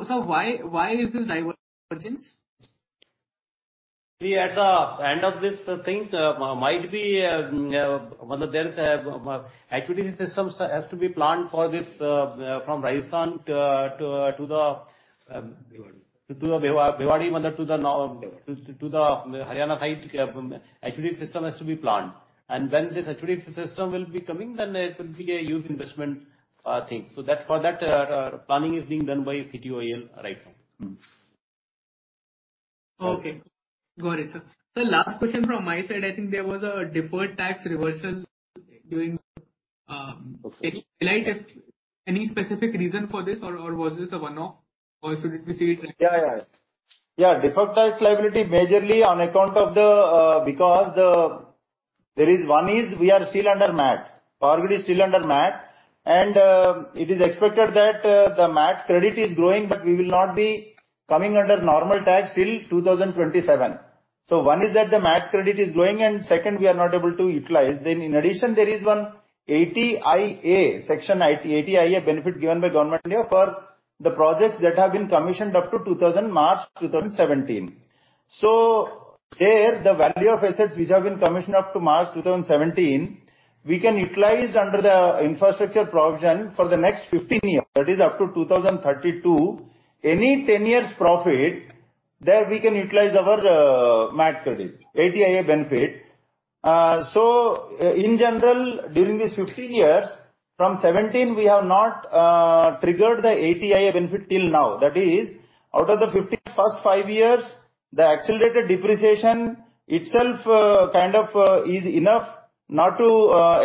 Sir, why is this divergence? See, at the end of these things might be there is a activity systems has to be planned for this from Raisen to the to the Bhiwadi to the Haryana side transmission system has to be planned. When this transmission system will be coming, then it will be a huge investment thing. For that, planning is being done by CTU right now. Mm-hmm. Okay. Got it, sir. Sir, last question from my side. I think there was a deferred tax reversal during Okay. Any specific reason for this or was this a one-off or should it be seen- Deferred tax liability majorly on account of the fact that there is one: we are still under MAT. PowerGrid is still under MAT, and it is expected that the MAT credit is growing, but we will not be coming under normal tax till 2027. One is that the MAT credit is growing, and second, we are not able to utilize. Then in addition, there is one 80IA, Section 80IA benefit given by government here for the projects that have been commissioned up to March 2017. There, the value of assets which have been commissioned up to March 2017, we can utilize under the infrastructure provision for the next fifteen years, that is up to 2032. Any 10 years profit there we can utilize our MAT credit, 80IA benefit. In general, during these 15 years, from 2017 we have not triggered the 80IA benefit till now. That is, out of the 15 first 5 years, the accelerated depreciation itself kind of is enough not to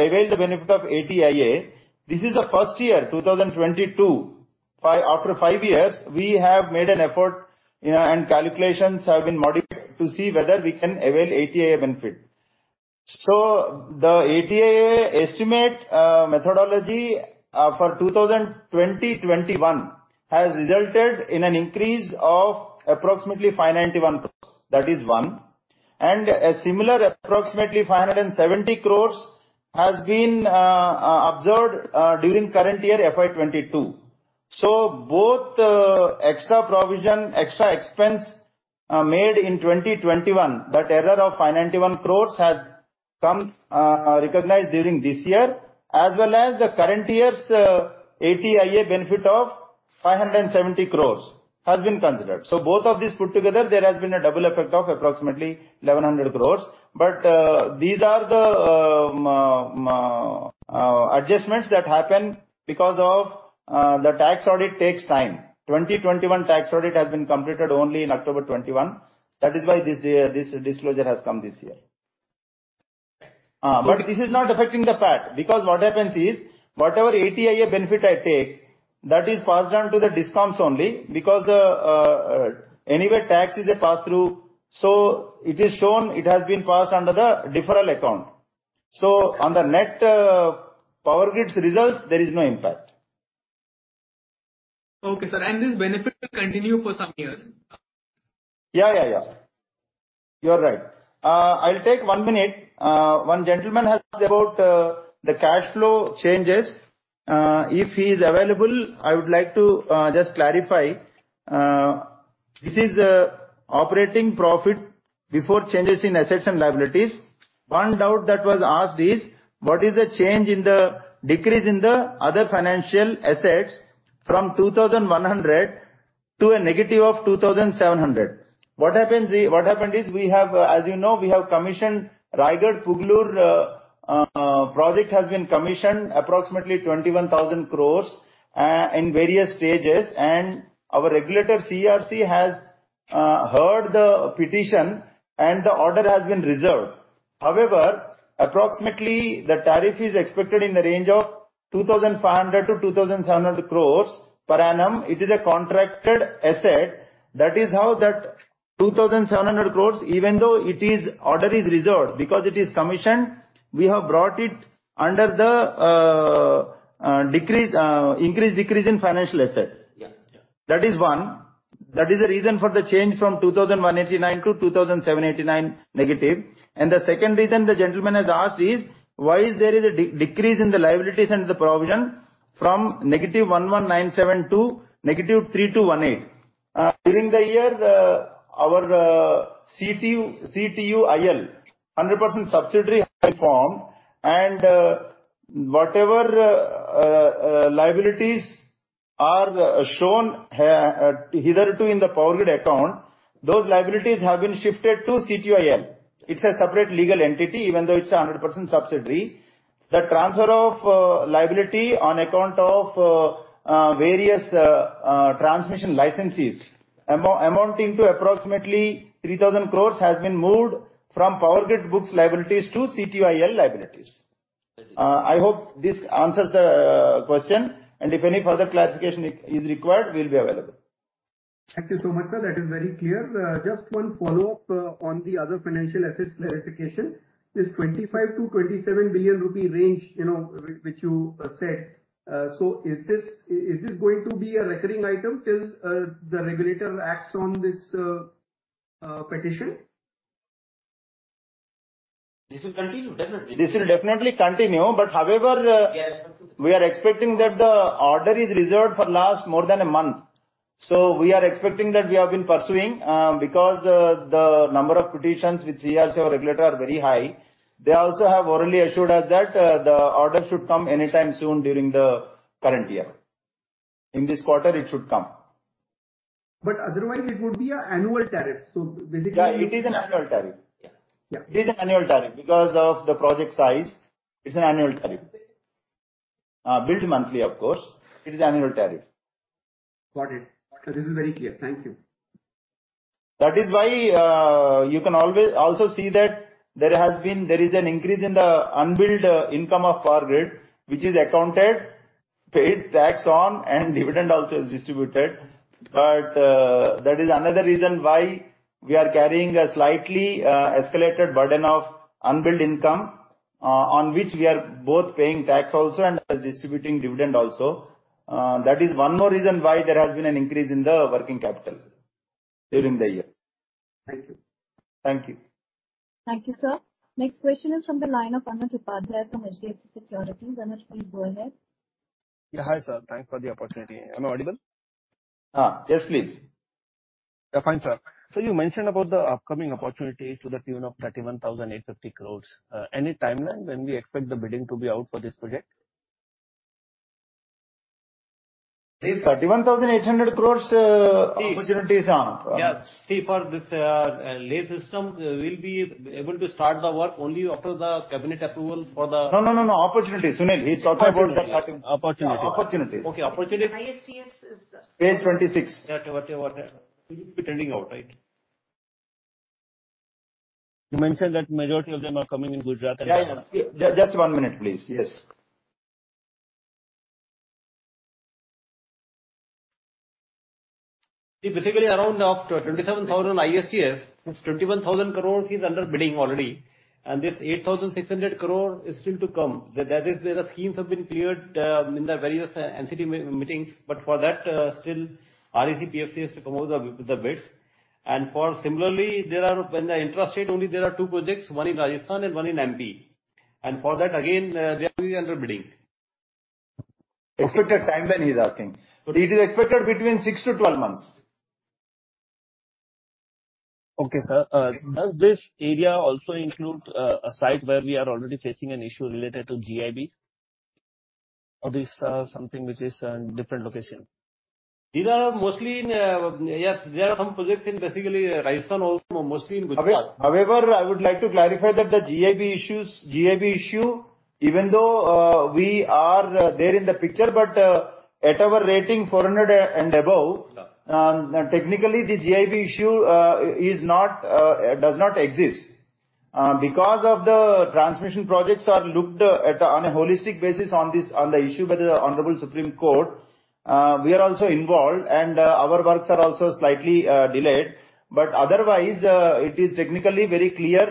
avail the benefit of 80IA. This is the first year, 2022. After 5 years, we have made an effort, you know, and calculations have been modified to see whether we can avail 80IA benefit. The 80IA estimate methodology for 2021 has resulted in an increase of approximately 591 crores. That is one. And a similar approximately 570 crores has been observed during current year, FY 2022. Both, extra provision, extra expense, made in 2021, that error of 591 crores has come, recognized during this year, as well as the current year's, 80IA benefit of 570 crores has been considered. Both of these put together, there has been a double effect of approximately 1,100 crores. These are the adjustments that happen because of, the tax audit takes time. 2021 tax audit has been completed only in October 2021. That is why this year, this disclosure has come this year. Okay. This is not affecting the PAT, because what happens is, whatever 80IA benefit I take, that is passed on to the DISCOMs only because anyway, tax is a pass-through, so it is shown, it has been passed under the deferral account. On the net, PowerGrid's results, there is no impact. Okay, sir. This benefit will continue for some years. Yeah, you're right. I'll take one minute. One gentleman asked about the cash flow changes. If he is available, I would like to just clarify. This is operating profit before changes in assets and liabilities. One doubt that was asked is what is the change in the decrease in the other financial assets from 2,100 to -2,700? What happened is, we have, as you know, we have commissioned Raigarh-Pugalur project has been commissioned approximately 21,000 crore in various stages. Our regulator, CERC, has heard the petition and the order has been reserved. However, approximately the tariff is expected in the range of 2,500 crore-2,700 crore per annum. It is a contracted asset. That is how the 2,700 crore, even though the order is reserved, because it is commissioned, we have brought it under the increase in financial asset. Yeah. Yeah. That is one. That is the reason for the change from 2,189 to 2,789-. The second reason the gentleman has asked is: Why is there a decrease in the liabilities and the provision from -1,197 to -3,218? During the year, our CTU, CTUIL, 100% subsidiary has been formed, and whatever liabilities are shown here into the PowerGrid account, those liabilities have been shifted to CTUIL. It's a separate legal entity, even though it's a 100% subsidiary. The transfer of liability on account of various transmission licenses amounting to approximately 3,000 crore has been moved from PowerGrid books liabilities to CTUIL liabilities. Thank you. I hope this answers the question, and if any further clarification is required, we'll be available. Thank you so much, sir. That is very clear. Just one follow-up on the other financial assets clarification. This 25 billion-27 billion rupee range, you know, which you said, so is this going to be a recurring item till the regulator acts on this petition? This will definitely continue. However Yes. We are expecting that the order is reserved for last more than a month. We are expecting that we have been pursuing, because the number of petitions with CERC or regulator are very high. They also have orally assured us that the order should come anytime soon during the current year. In this quarter it should come. Otherwise it would be an annual tariff. Basically. Yeah, it is an annual tariff. Yeah. Yeah. It is an annual tariff. Because of the project size, it's an annual tariff. Billed monthly, of course. Got it. This is very clear. Thank you. That is why, you can also see that there is an increase in the unbilled income of Power Grid, which is accounted, paid tax on, and dividend also is distributed. That is another reason why we are carrying a slightly escalated burden of unbilled income, on which we are both paying tax also and distributing dividend also. That is one more reason why there has been an increase in the working capital during the year. Thank you. Thank you. Thank you, sir. Next question is from the line of Anuj Upadhyay from HDFC Securities. Anuj, please go ahead. Yeah. Hi, sir. Thanks for the opportunity. Am I audible? Yes, please. Yeah, fine, sir. You mentioned about the upcoming opportunities to the tune of 31,850 crore. Any timeline when we expect the bidding to be out for this project? It's INR 31,800 crore, opportunities are- Yeah. See, for this, Leh system, we'll be able to start the work only after the cabinet approval for the. No, no, no. Opportunities, Sunil. Opportunities. -Opportunity. Opportunity. Opportunity. Okay, opportunity. ISTS is the Page 26. Yeah. Whatever. It will be tendering out, right? You mentioned that majority of them are coming in Gujarat. Yeah, yeah. Just one minute, please. Yes. See, basically around up to 27,000 ISTS, it's 21,000 crore under bidding already, and this 8,600 crore is still to come. That is where the schemes have been cleared in the various NCT meetings. But for that, still, REC/PFC has to come out with the bids. Similarly, for the intrastate only there are two projects, one in Rajasthan and one in MP. For that again, they are under bidding. Expected timeline. He's asking. It is expected between 6 to 12 months. Okay, sir. Does this area also include a site where we are already facing an issue related to GIB? Or this something which is in different location? These are mostly in. Yes, there are some projects in basically Rajasthan also, mostly in Gujarat. However, I would like to clarify that the GIB issue, even though we are there in the picture, but at our rating 400 and above. Yeah. Technically, the GIB issue does not exist. Because the transmission projects are looked at on a holistic basis on this issue by the Honorable Supreme Court, we are also involved and our works are also slightly delayed. Otherwise, it is technically very clear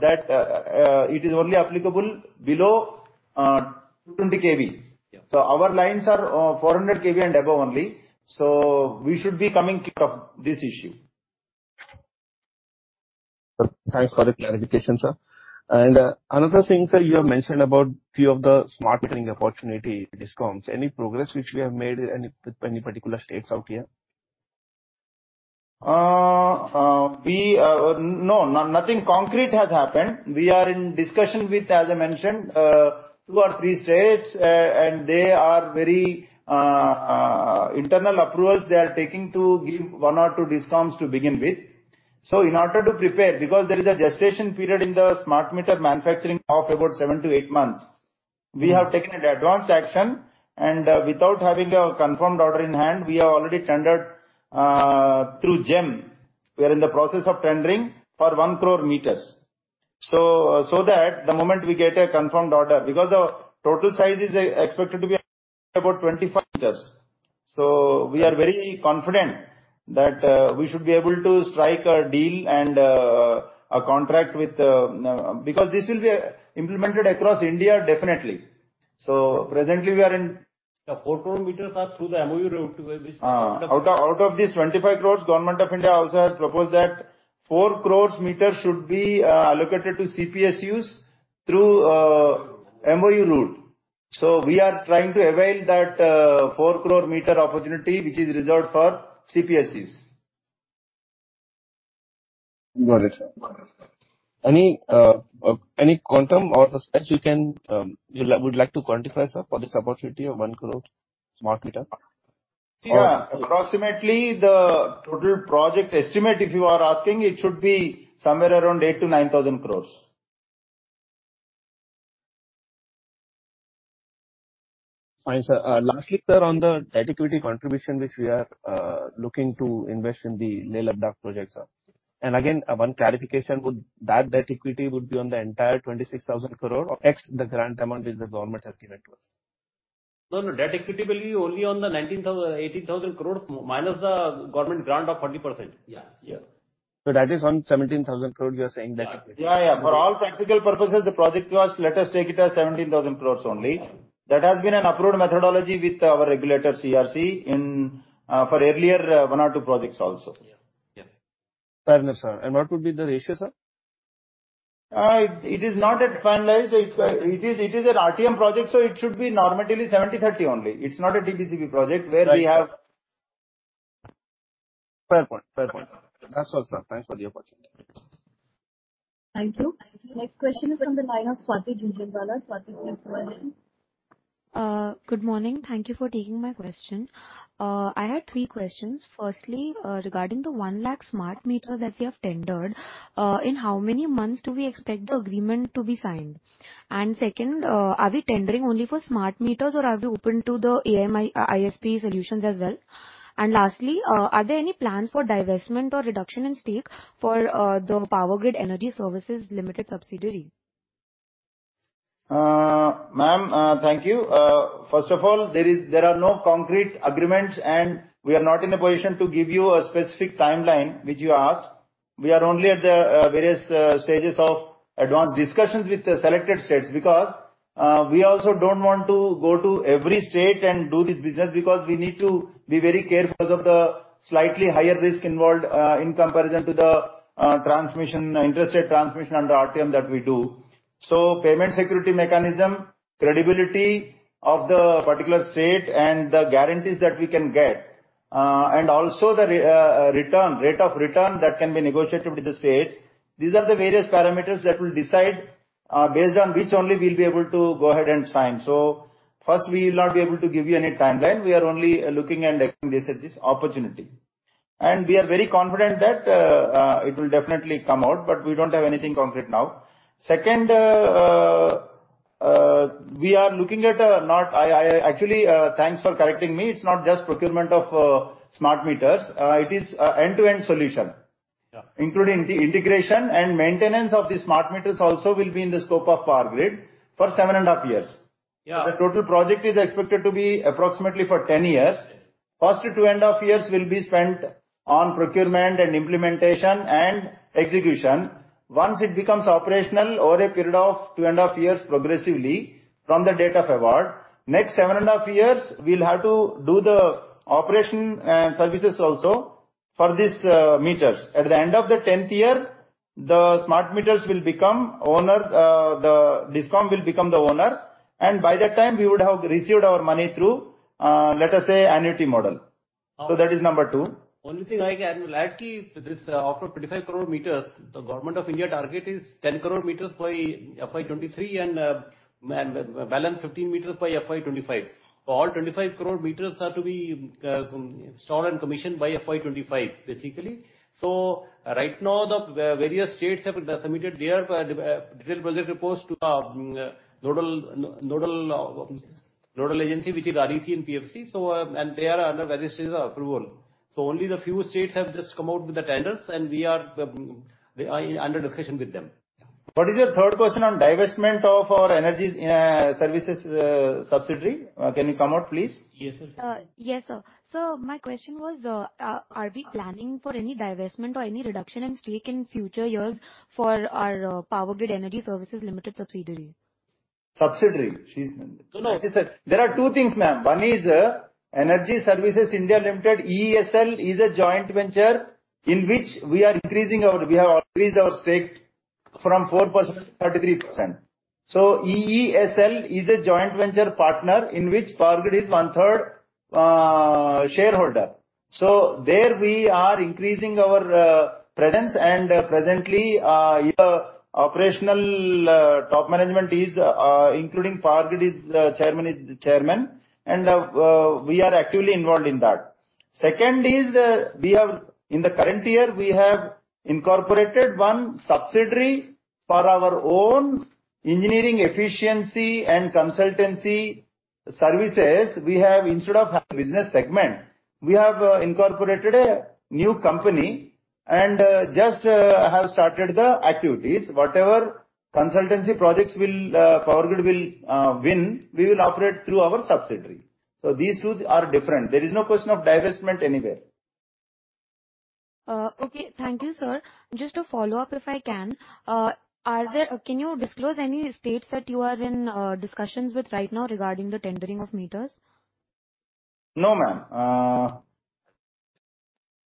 that it is only applicable below 220 KV. Yeah. Our lines are 400 KV and above only. We should be coming clear of this issue. Thanks for the clarification, sir. Another thing, sir, you have mentioned about few of the smart metering opportunity DISCOMs. Any progress which we have made with any particular states out here? No, nothing concrete has happened. We are in discussion with, as I mentioned, 2 or 3 states, and they are taking internal approvals to give 1 or 2 DISCOMs to begin with. In order to prepare, because there is a gestation period in the smart meter manufacturing of about 7-8 months. Okay. We have taken an advanced action and without having a confirmed order in hand, we have already tendered through GEM. We are in the process of tendering for 1 crore meters. So that the moment we get a confirmed order, because the total size is expected to be about 25 crore meters. We are very confident that we should be able to strike a deal and a contract with because this will be implemented across India, definitely. Presently we are in- The 4 crore meters are through the MoU route where we Out of these 25 crores, Government of India also has proposed that 4 crore meters should be allocated to CPSEs through MoU route. We are trying to avail that 4 crore meter opportunity which is reserved for CPSEs. Got it, sir. Got it. Any quantum or the specs you would like to quantify, sir, for this opportunity of 1 crore smart meter? Yeah. Approximately the total project estimate, if you are asking, it should be somewhere around 8,000 crore-9,000 crore. Fine, sir. Lastly, sir, on the debt-equity contribution which we are looking to invest in the Leh-Ladakh project, sir. Again, one clarification, would that debt equity be on the entire 26,000 crore or ex the grant amount which the government has given to us? No, no. Debt equity will be only on the 18,000 crore minus the government grant of 40%. Yeah. Yeah. That is on 17,000 crore, you are saying debt equity. Yeah, yeah. For all practical purposes, the project cost, let us take it as 17,000 crore only. Yeah. That has been an approved methodology with our regulator, CERC, in for earlier one or two projects also. Yeah. Yeah. Fair enough, sir. What would be the ratio, sir? It is not yet finalized. It is an RTM project, so it should be normally 70-30 only. It's not a TBCB project where we have- Right. Fair point. Fair point. That's all, sir. Thanks for the opportunity. Thank you. Next question is from the line of Swati Jhunjhunwala. Swati, please go ahead. Good morning. Thank you for taking my question. I had three questions. Firstly, regarding the 1 lakh smart meters that we have tendered, in how many months do we expect the agreement to be signed? Second, are we tendering only for smart meters, or are we open to the AMI ASP solutions as well? Lastly, are there any plans for divestment or reduction in stake for the Powergrid Energy Services Limited subsidiary? Ma'am, thank you. First of all, there are no concrete agreements, and we are not in a position to give you a specific timeline which you asked. We are only at the various stages of advanced discussions with the selected states because we also don't want to go to every state and do this business because we need to be very careful of the slightly higher risk involved in comparison to the transmission, intrastate transmission under RTM that we do. Payment security mechanism, credibility of the particular state and the guarantees that we can get, and also the rate of return that can be negotiated with the states. These are the various parameters that will decide based on which only we'll be able to go ahead and sign. First, we will not be able to give you any timeline. We are only looking and acting this as this opportunity. We are very confident that it will definitely come out, but we don't have anything concrete now. Second, I actually, thanks for correcting me. It's not just procurement of smart meters. It is end-to-end solution. Yeah. Including the integration and maintenance of the smart meters also will be in the scope of Power Grid for seven and a half years. Yeah. The total project is expected to be approximately for 10 years. First 2.5 years will be spent on procurement and implementation and execution. Once it becomes operational over a period of 2.5 years progressively from the date of award, next 7.5 years we'll have to do the operation and services also for these meters. At the end of the 10th year, the smart meters will become owner, the DISCOM will become the owner, and by that time we would have received our money through, let us say, annuity model. That is number two. Only thing I can say about this offer 25 crore meters. The Government of India target is 10 crore meters by FY 2023 and balance 15 crore meters by FY 2025. All 25 crore meters are to be installed and commissioned by FY 2025, basically. Right now the various states have submitted their detailed project reports to the nodal agency, which is REC and PFC, and they are under various stages of approval. Only the few states have just come out with the tenders, and we are under discussion with them. What is your third question on divestment of our Energy Services subsidiary? Can you come out please? Yes, sir. Yes, sir. My question was, are we planning for any divestment or any reduction in stake in future years for our Powergrid Energy Services Limited subsidiary? Subsidiary. No, no. There are two things, ma'am. One is, Energy Efficiency Services Limited, EESL, is a joint venture in which we have increased our stake from 4% to 33%. EESL is a joint venture partner in which Power Grid is one-third shareholder. There we are increasing our presence and presently, the operational top management is including Power Grid's chairman is the chairman and we are actively involved in that. Second is, in the current year, we have incorporated one subsidiary for our own engineering efficiency and consultancy services. We have instead of business segment incorporated a new company and just have started the activities. Whatever consultancy projects Power Grid will win, we will operate through our subsidiary. These two are different. There is no question of divestment anywhere. Thank you, sir. Just to follow up, if I can. Can you disclose any states that you are in discussions with right now regarding the tendering of meters? No,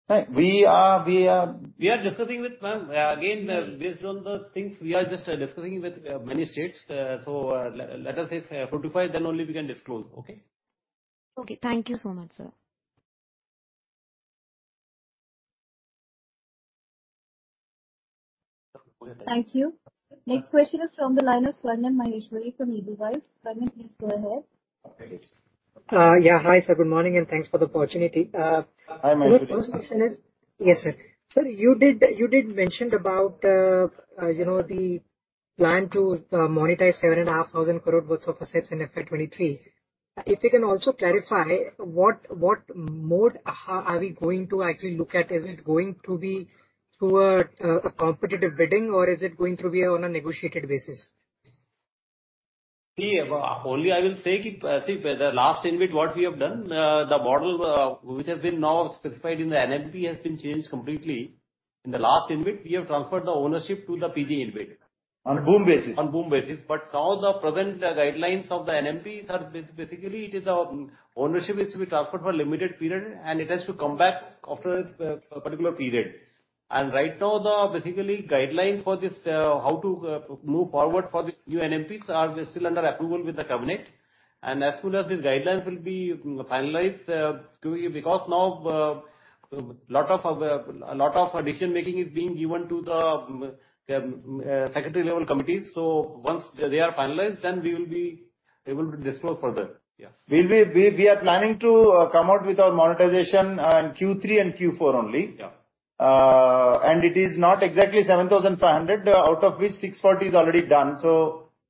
ma'am. We are. We are discussing with ma'am. Again, based on the things we are just discussing with many states. Let us say 45, then only we can disclose. Okay? Okay. Thank you so much, sir. Thank you. Next question is from the line of Swarnim Maheshwari from Edelweiss. Swarnim, please go ahead. Okay. Yeah. Hi, sir. Good morning, and thanks for the opportunity. Hi, Maheshwari. Yes, sir. Sir, you did mention about, you know, the plan to monetize 7,500 crore worth of assets in FY 2023. If you can also clarify what mode are we going to actually look at? Is it going to be through a competitive bidding or is it going to be on a negotiated basis? Only I will say it, the last InvIT what we have done, the model which has been now specified in the NMP has been changed completely. In the last InvIT, we have transferred the ownership to the PGInvIT. On BOOM basis. On BOOM basis. Now the present guidelines of the NMP are basically it is, ownership is to be transferred for a limited period, and it has to come back after a particular period. Right now the basic guidelines for this, how to move forward for this new NMPs are still under approval with the cabinet. As soon as these guidelines will be finalized, because now, lot of decision-making is being given to the secretary level committees. Once they are finalized, we will be able to disclose further. Yes. We are planning to come out with our monetization on Q3 and Q4 only. Yeah. It is not exactly 7,500, out of which 640 is already done.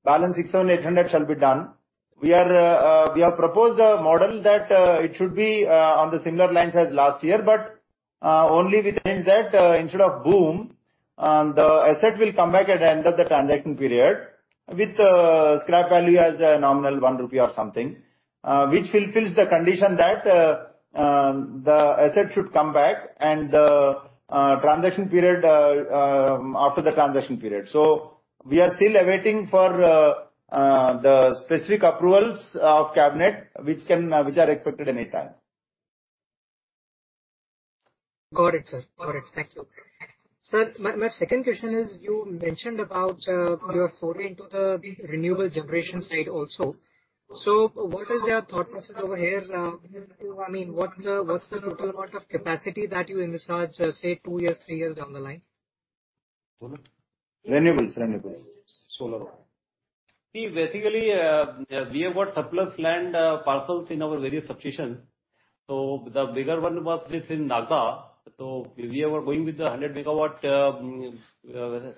Balance 6,780 shall be done. We have proposed a model that it should be on similar lines as last year, but only with the things that instead of BOOM, the asset will come back at the end of the transaction period with scrap value as a nominal 1 rupee or something, which fulfills the condition that the asset should come back after the transaction period. We are still awaiting for the specific Cabinet approvals, which are expected anytime. Got it, sir. Got it. Thank you. Sir, my second question is, you mentioned about your foray into the renewable generation side also. What is your thought process over here? I mean, what's the total amount of capacity that you envisage, say, two years, three years down the line? Renewables. Solar. See, basically, we have got surplus land, parcels in our various substations. The bigger one was this in Nagda. We are going with the 100 MW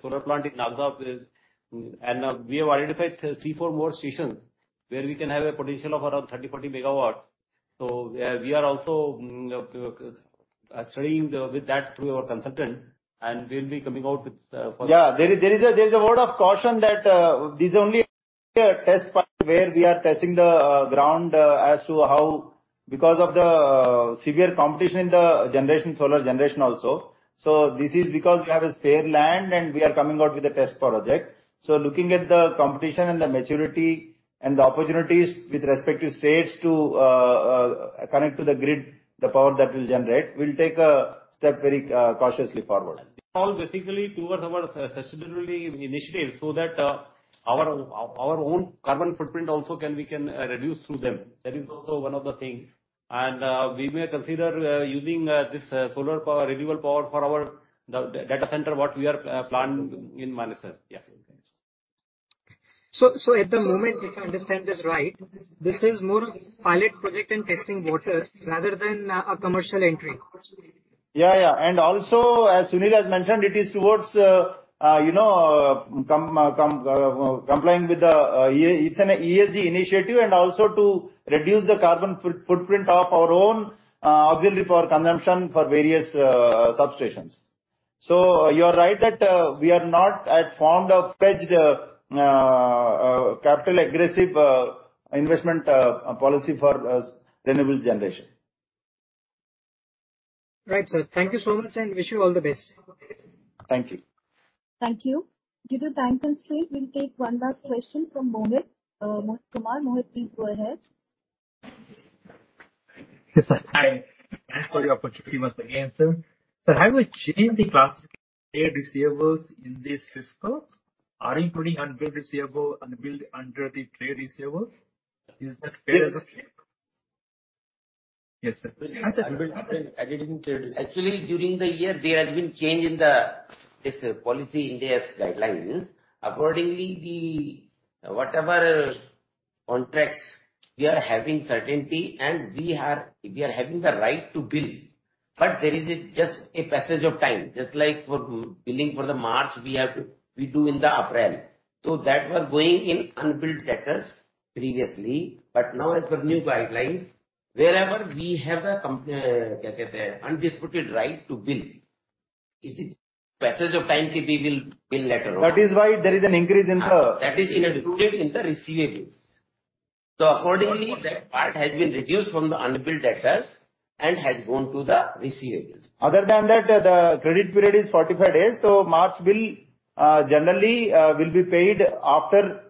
solar plant in Nagda. We have identified 3-4 more stations where we can have a potential of around 30-40 MW. We are also studying that with our consultant, and we'll be coming out with. Yeah, there is a word of caution that this is only a test point where we are testing the ground as to how because of the severe competition in the generation, solar generation also. This is because we have spare land, and we are coming out with a test project. Looking at the competition and the maturity and the opportunities with respective states to connect to the grid, the power that we'll generate, we'll take a step very cautiously forward. Basically towards our sustainability initiative, so that our own carbon footprint also we can reduce through them. That is also one of the thing. We may consider using this solar power, renewable power for the data center what we are planning in Manesar. Yeah. At the moment, if I understand this right, this is more of a pilot project and testing the waters rather than a commercial entry. Yeah, yeah. Also, as Sunil has mentioned, it is towards, you know, complying with the, it's an ESG initiative and also to reduce the carbon footprint of our own, auxiliary power consumption for various, substations. You are right that, we are not formulated or pledged capital aggressive, investment, policy for, renewables generation. Right, sir. Thank you so much, and wish you all the best. Thank you. Thank you. Due to time constraint, we'll take one last question from Mohit Kumar. Mohit, please go ahead. Yes, sir. Hi. Thanks for the opportunity once again, sir. Sir, have you changed the classification trade receivables in this fiscal? Are you putting unbilled receivable, unbilled under the trade receivables? Is that fair? Yes. Yes, sir. Unbilled accounts. Actually, during the year, there has been change in this policy Ind AS guidelines. Accordingly, whatever contracts we are having with certainty and we are having the right to bill. There is just a passage of time. Just like for billing for March, we do in April. That was going in unbilled debtors previously. Now as per new guidelines, wherever we have the undisputed right to bill, it is passage of time, we will bill later on. That is why there is an increase in the. That is included in the receivables. Accordingly, that part has been reduced from the unbilled debtors and has gone to the receivables. Other than that, the credit period is 45 days. March bill, generally, will be paid after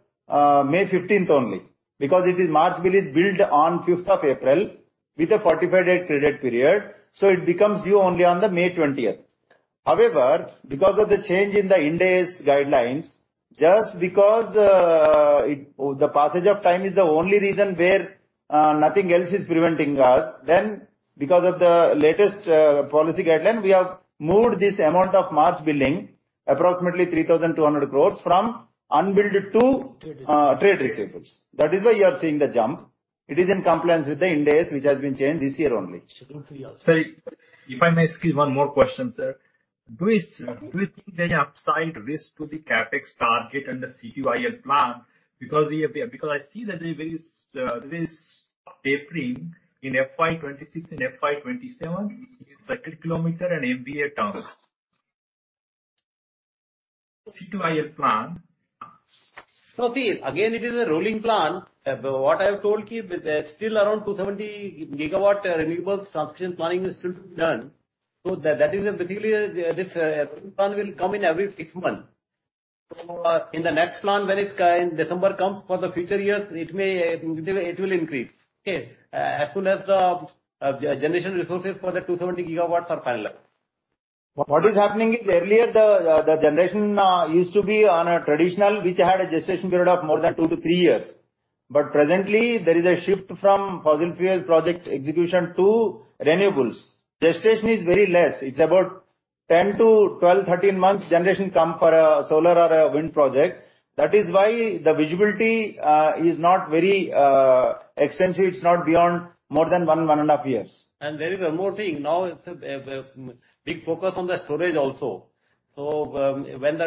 May 15th only. Because the March bill is billed on 5th of April with a 45-day credit period, so it becomes due only on the May 20th. However, because of the change in the Ind AS guidelines, just because, the passage of time is the only reason where, nothing else is preventing us, then because of the latest, policy guideline, we have moved this amount of March billing, approximately 3,200 crores from unbilled to, trade receivables. That is why you are seeing the jump. It is in compliance with the Ind AS, which has been changed this year only. Sorry, if I may squeeze one more question, sir. Do you think there is upside risk to the CapEx target and the CTU plan? Because I see that there is tapering in FY 2026 and FY 2027 in circuit kilometer and MVA terms. CTU plan. No, see, again, it is a rolling plan. What I have told you, there's still around 270 GW renewables transmission planning is still to be done. That is basically, this plan will come in every six months. In the next plan, when it's, in December comes for the future years, it may, it will increase. Okay. As soon as the, generation resources for the 270 GW are finalized. What is happening is earlier the generation used to be on a traditional, which had a gestation period of more than 2-3 years. Presently there is a shift from fossil fuel project execution to renewables. Gestation is very less. It's about 10-12, 13 months generation come for a solar or a wind project. That is why the visibility is not very extensive. It's not beyond more than one and a half years. There is one more thing. Now it's a big focus on the storage also. When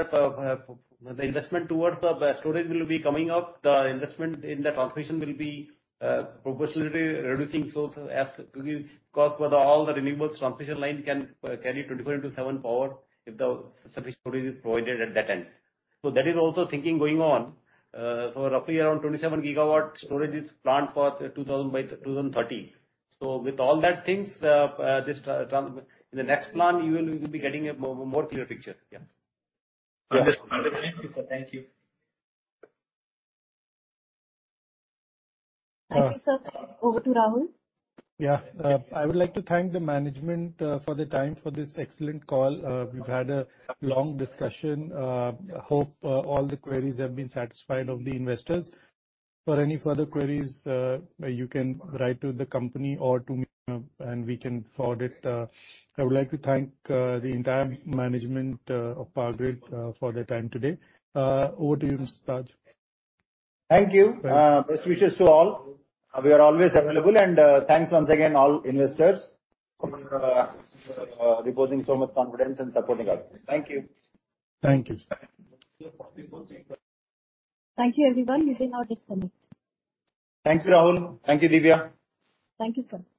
the investment towards the storage will be coming up, the investment in the transmission will be proportionally reducing. The cost for all the renewables transmission line can carry 24/7 power if sufficient storage is provided at that end. That is also thinking going on. Roughly around 27 GW storage is planned for 2000 by 2030. With all that things, in the next plan, you'll be getting a more clear picture. Yeah. Understood. Thank you, sir. Thank you. Thank you, sir. Over to Rahul. Yeah. I would like to thank the management for the time for this excellent call. We've had a long discussion. Hope all the queries have been satisfied of the investors. For any further queries, you can write to the company or to me, and we can forward it. I would like to thank the entire management of Power Grid for their time today. Over to you, Mr. Mohammed Taj Mukarrum. Thank you. Best wishes to all. We are always available and, thanks once again all investors for, reposing so much confidence and supporting us. Thank you. Thank you, sir. Thank you, everyone. You can now disconnect. Thanks, Rahul. Thank you, Divya. Thank you, sir. Thank you, sir.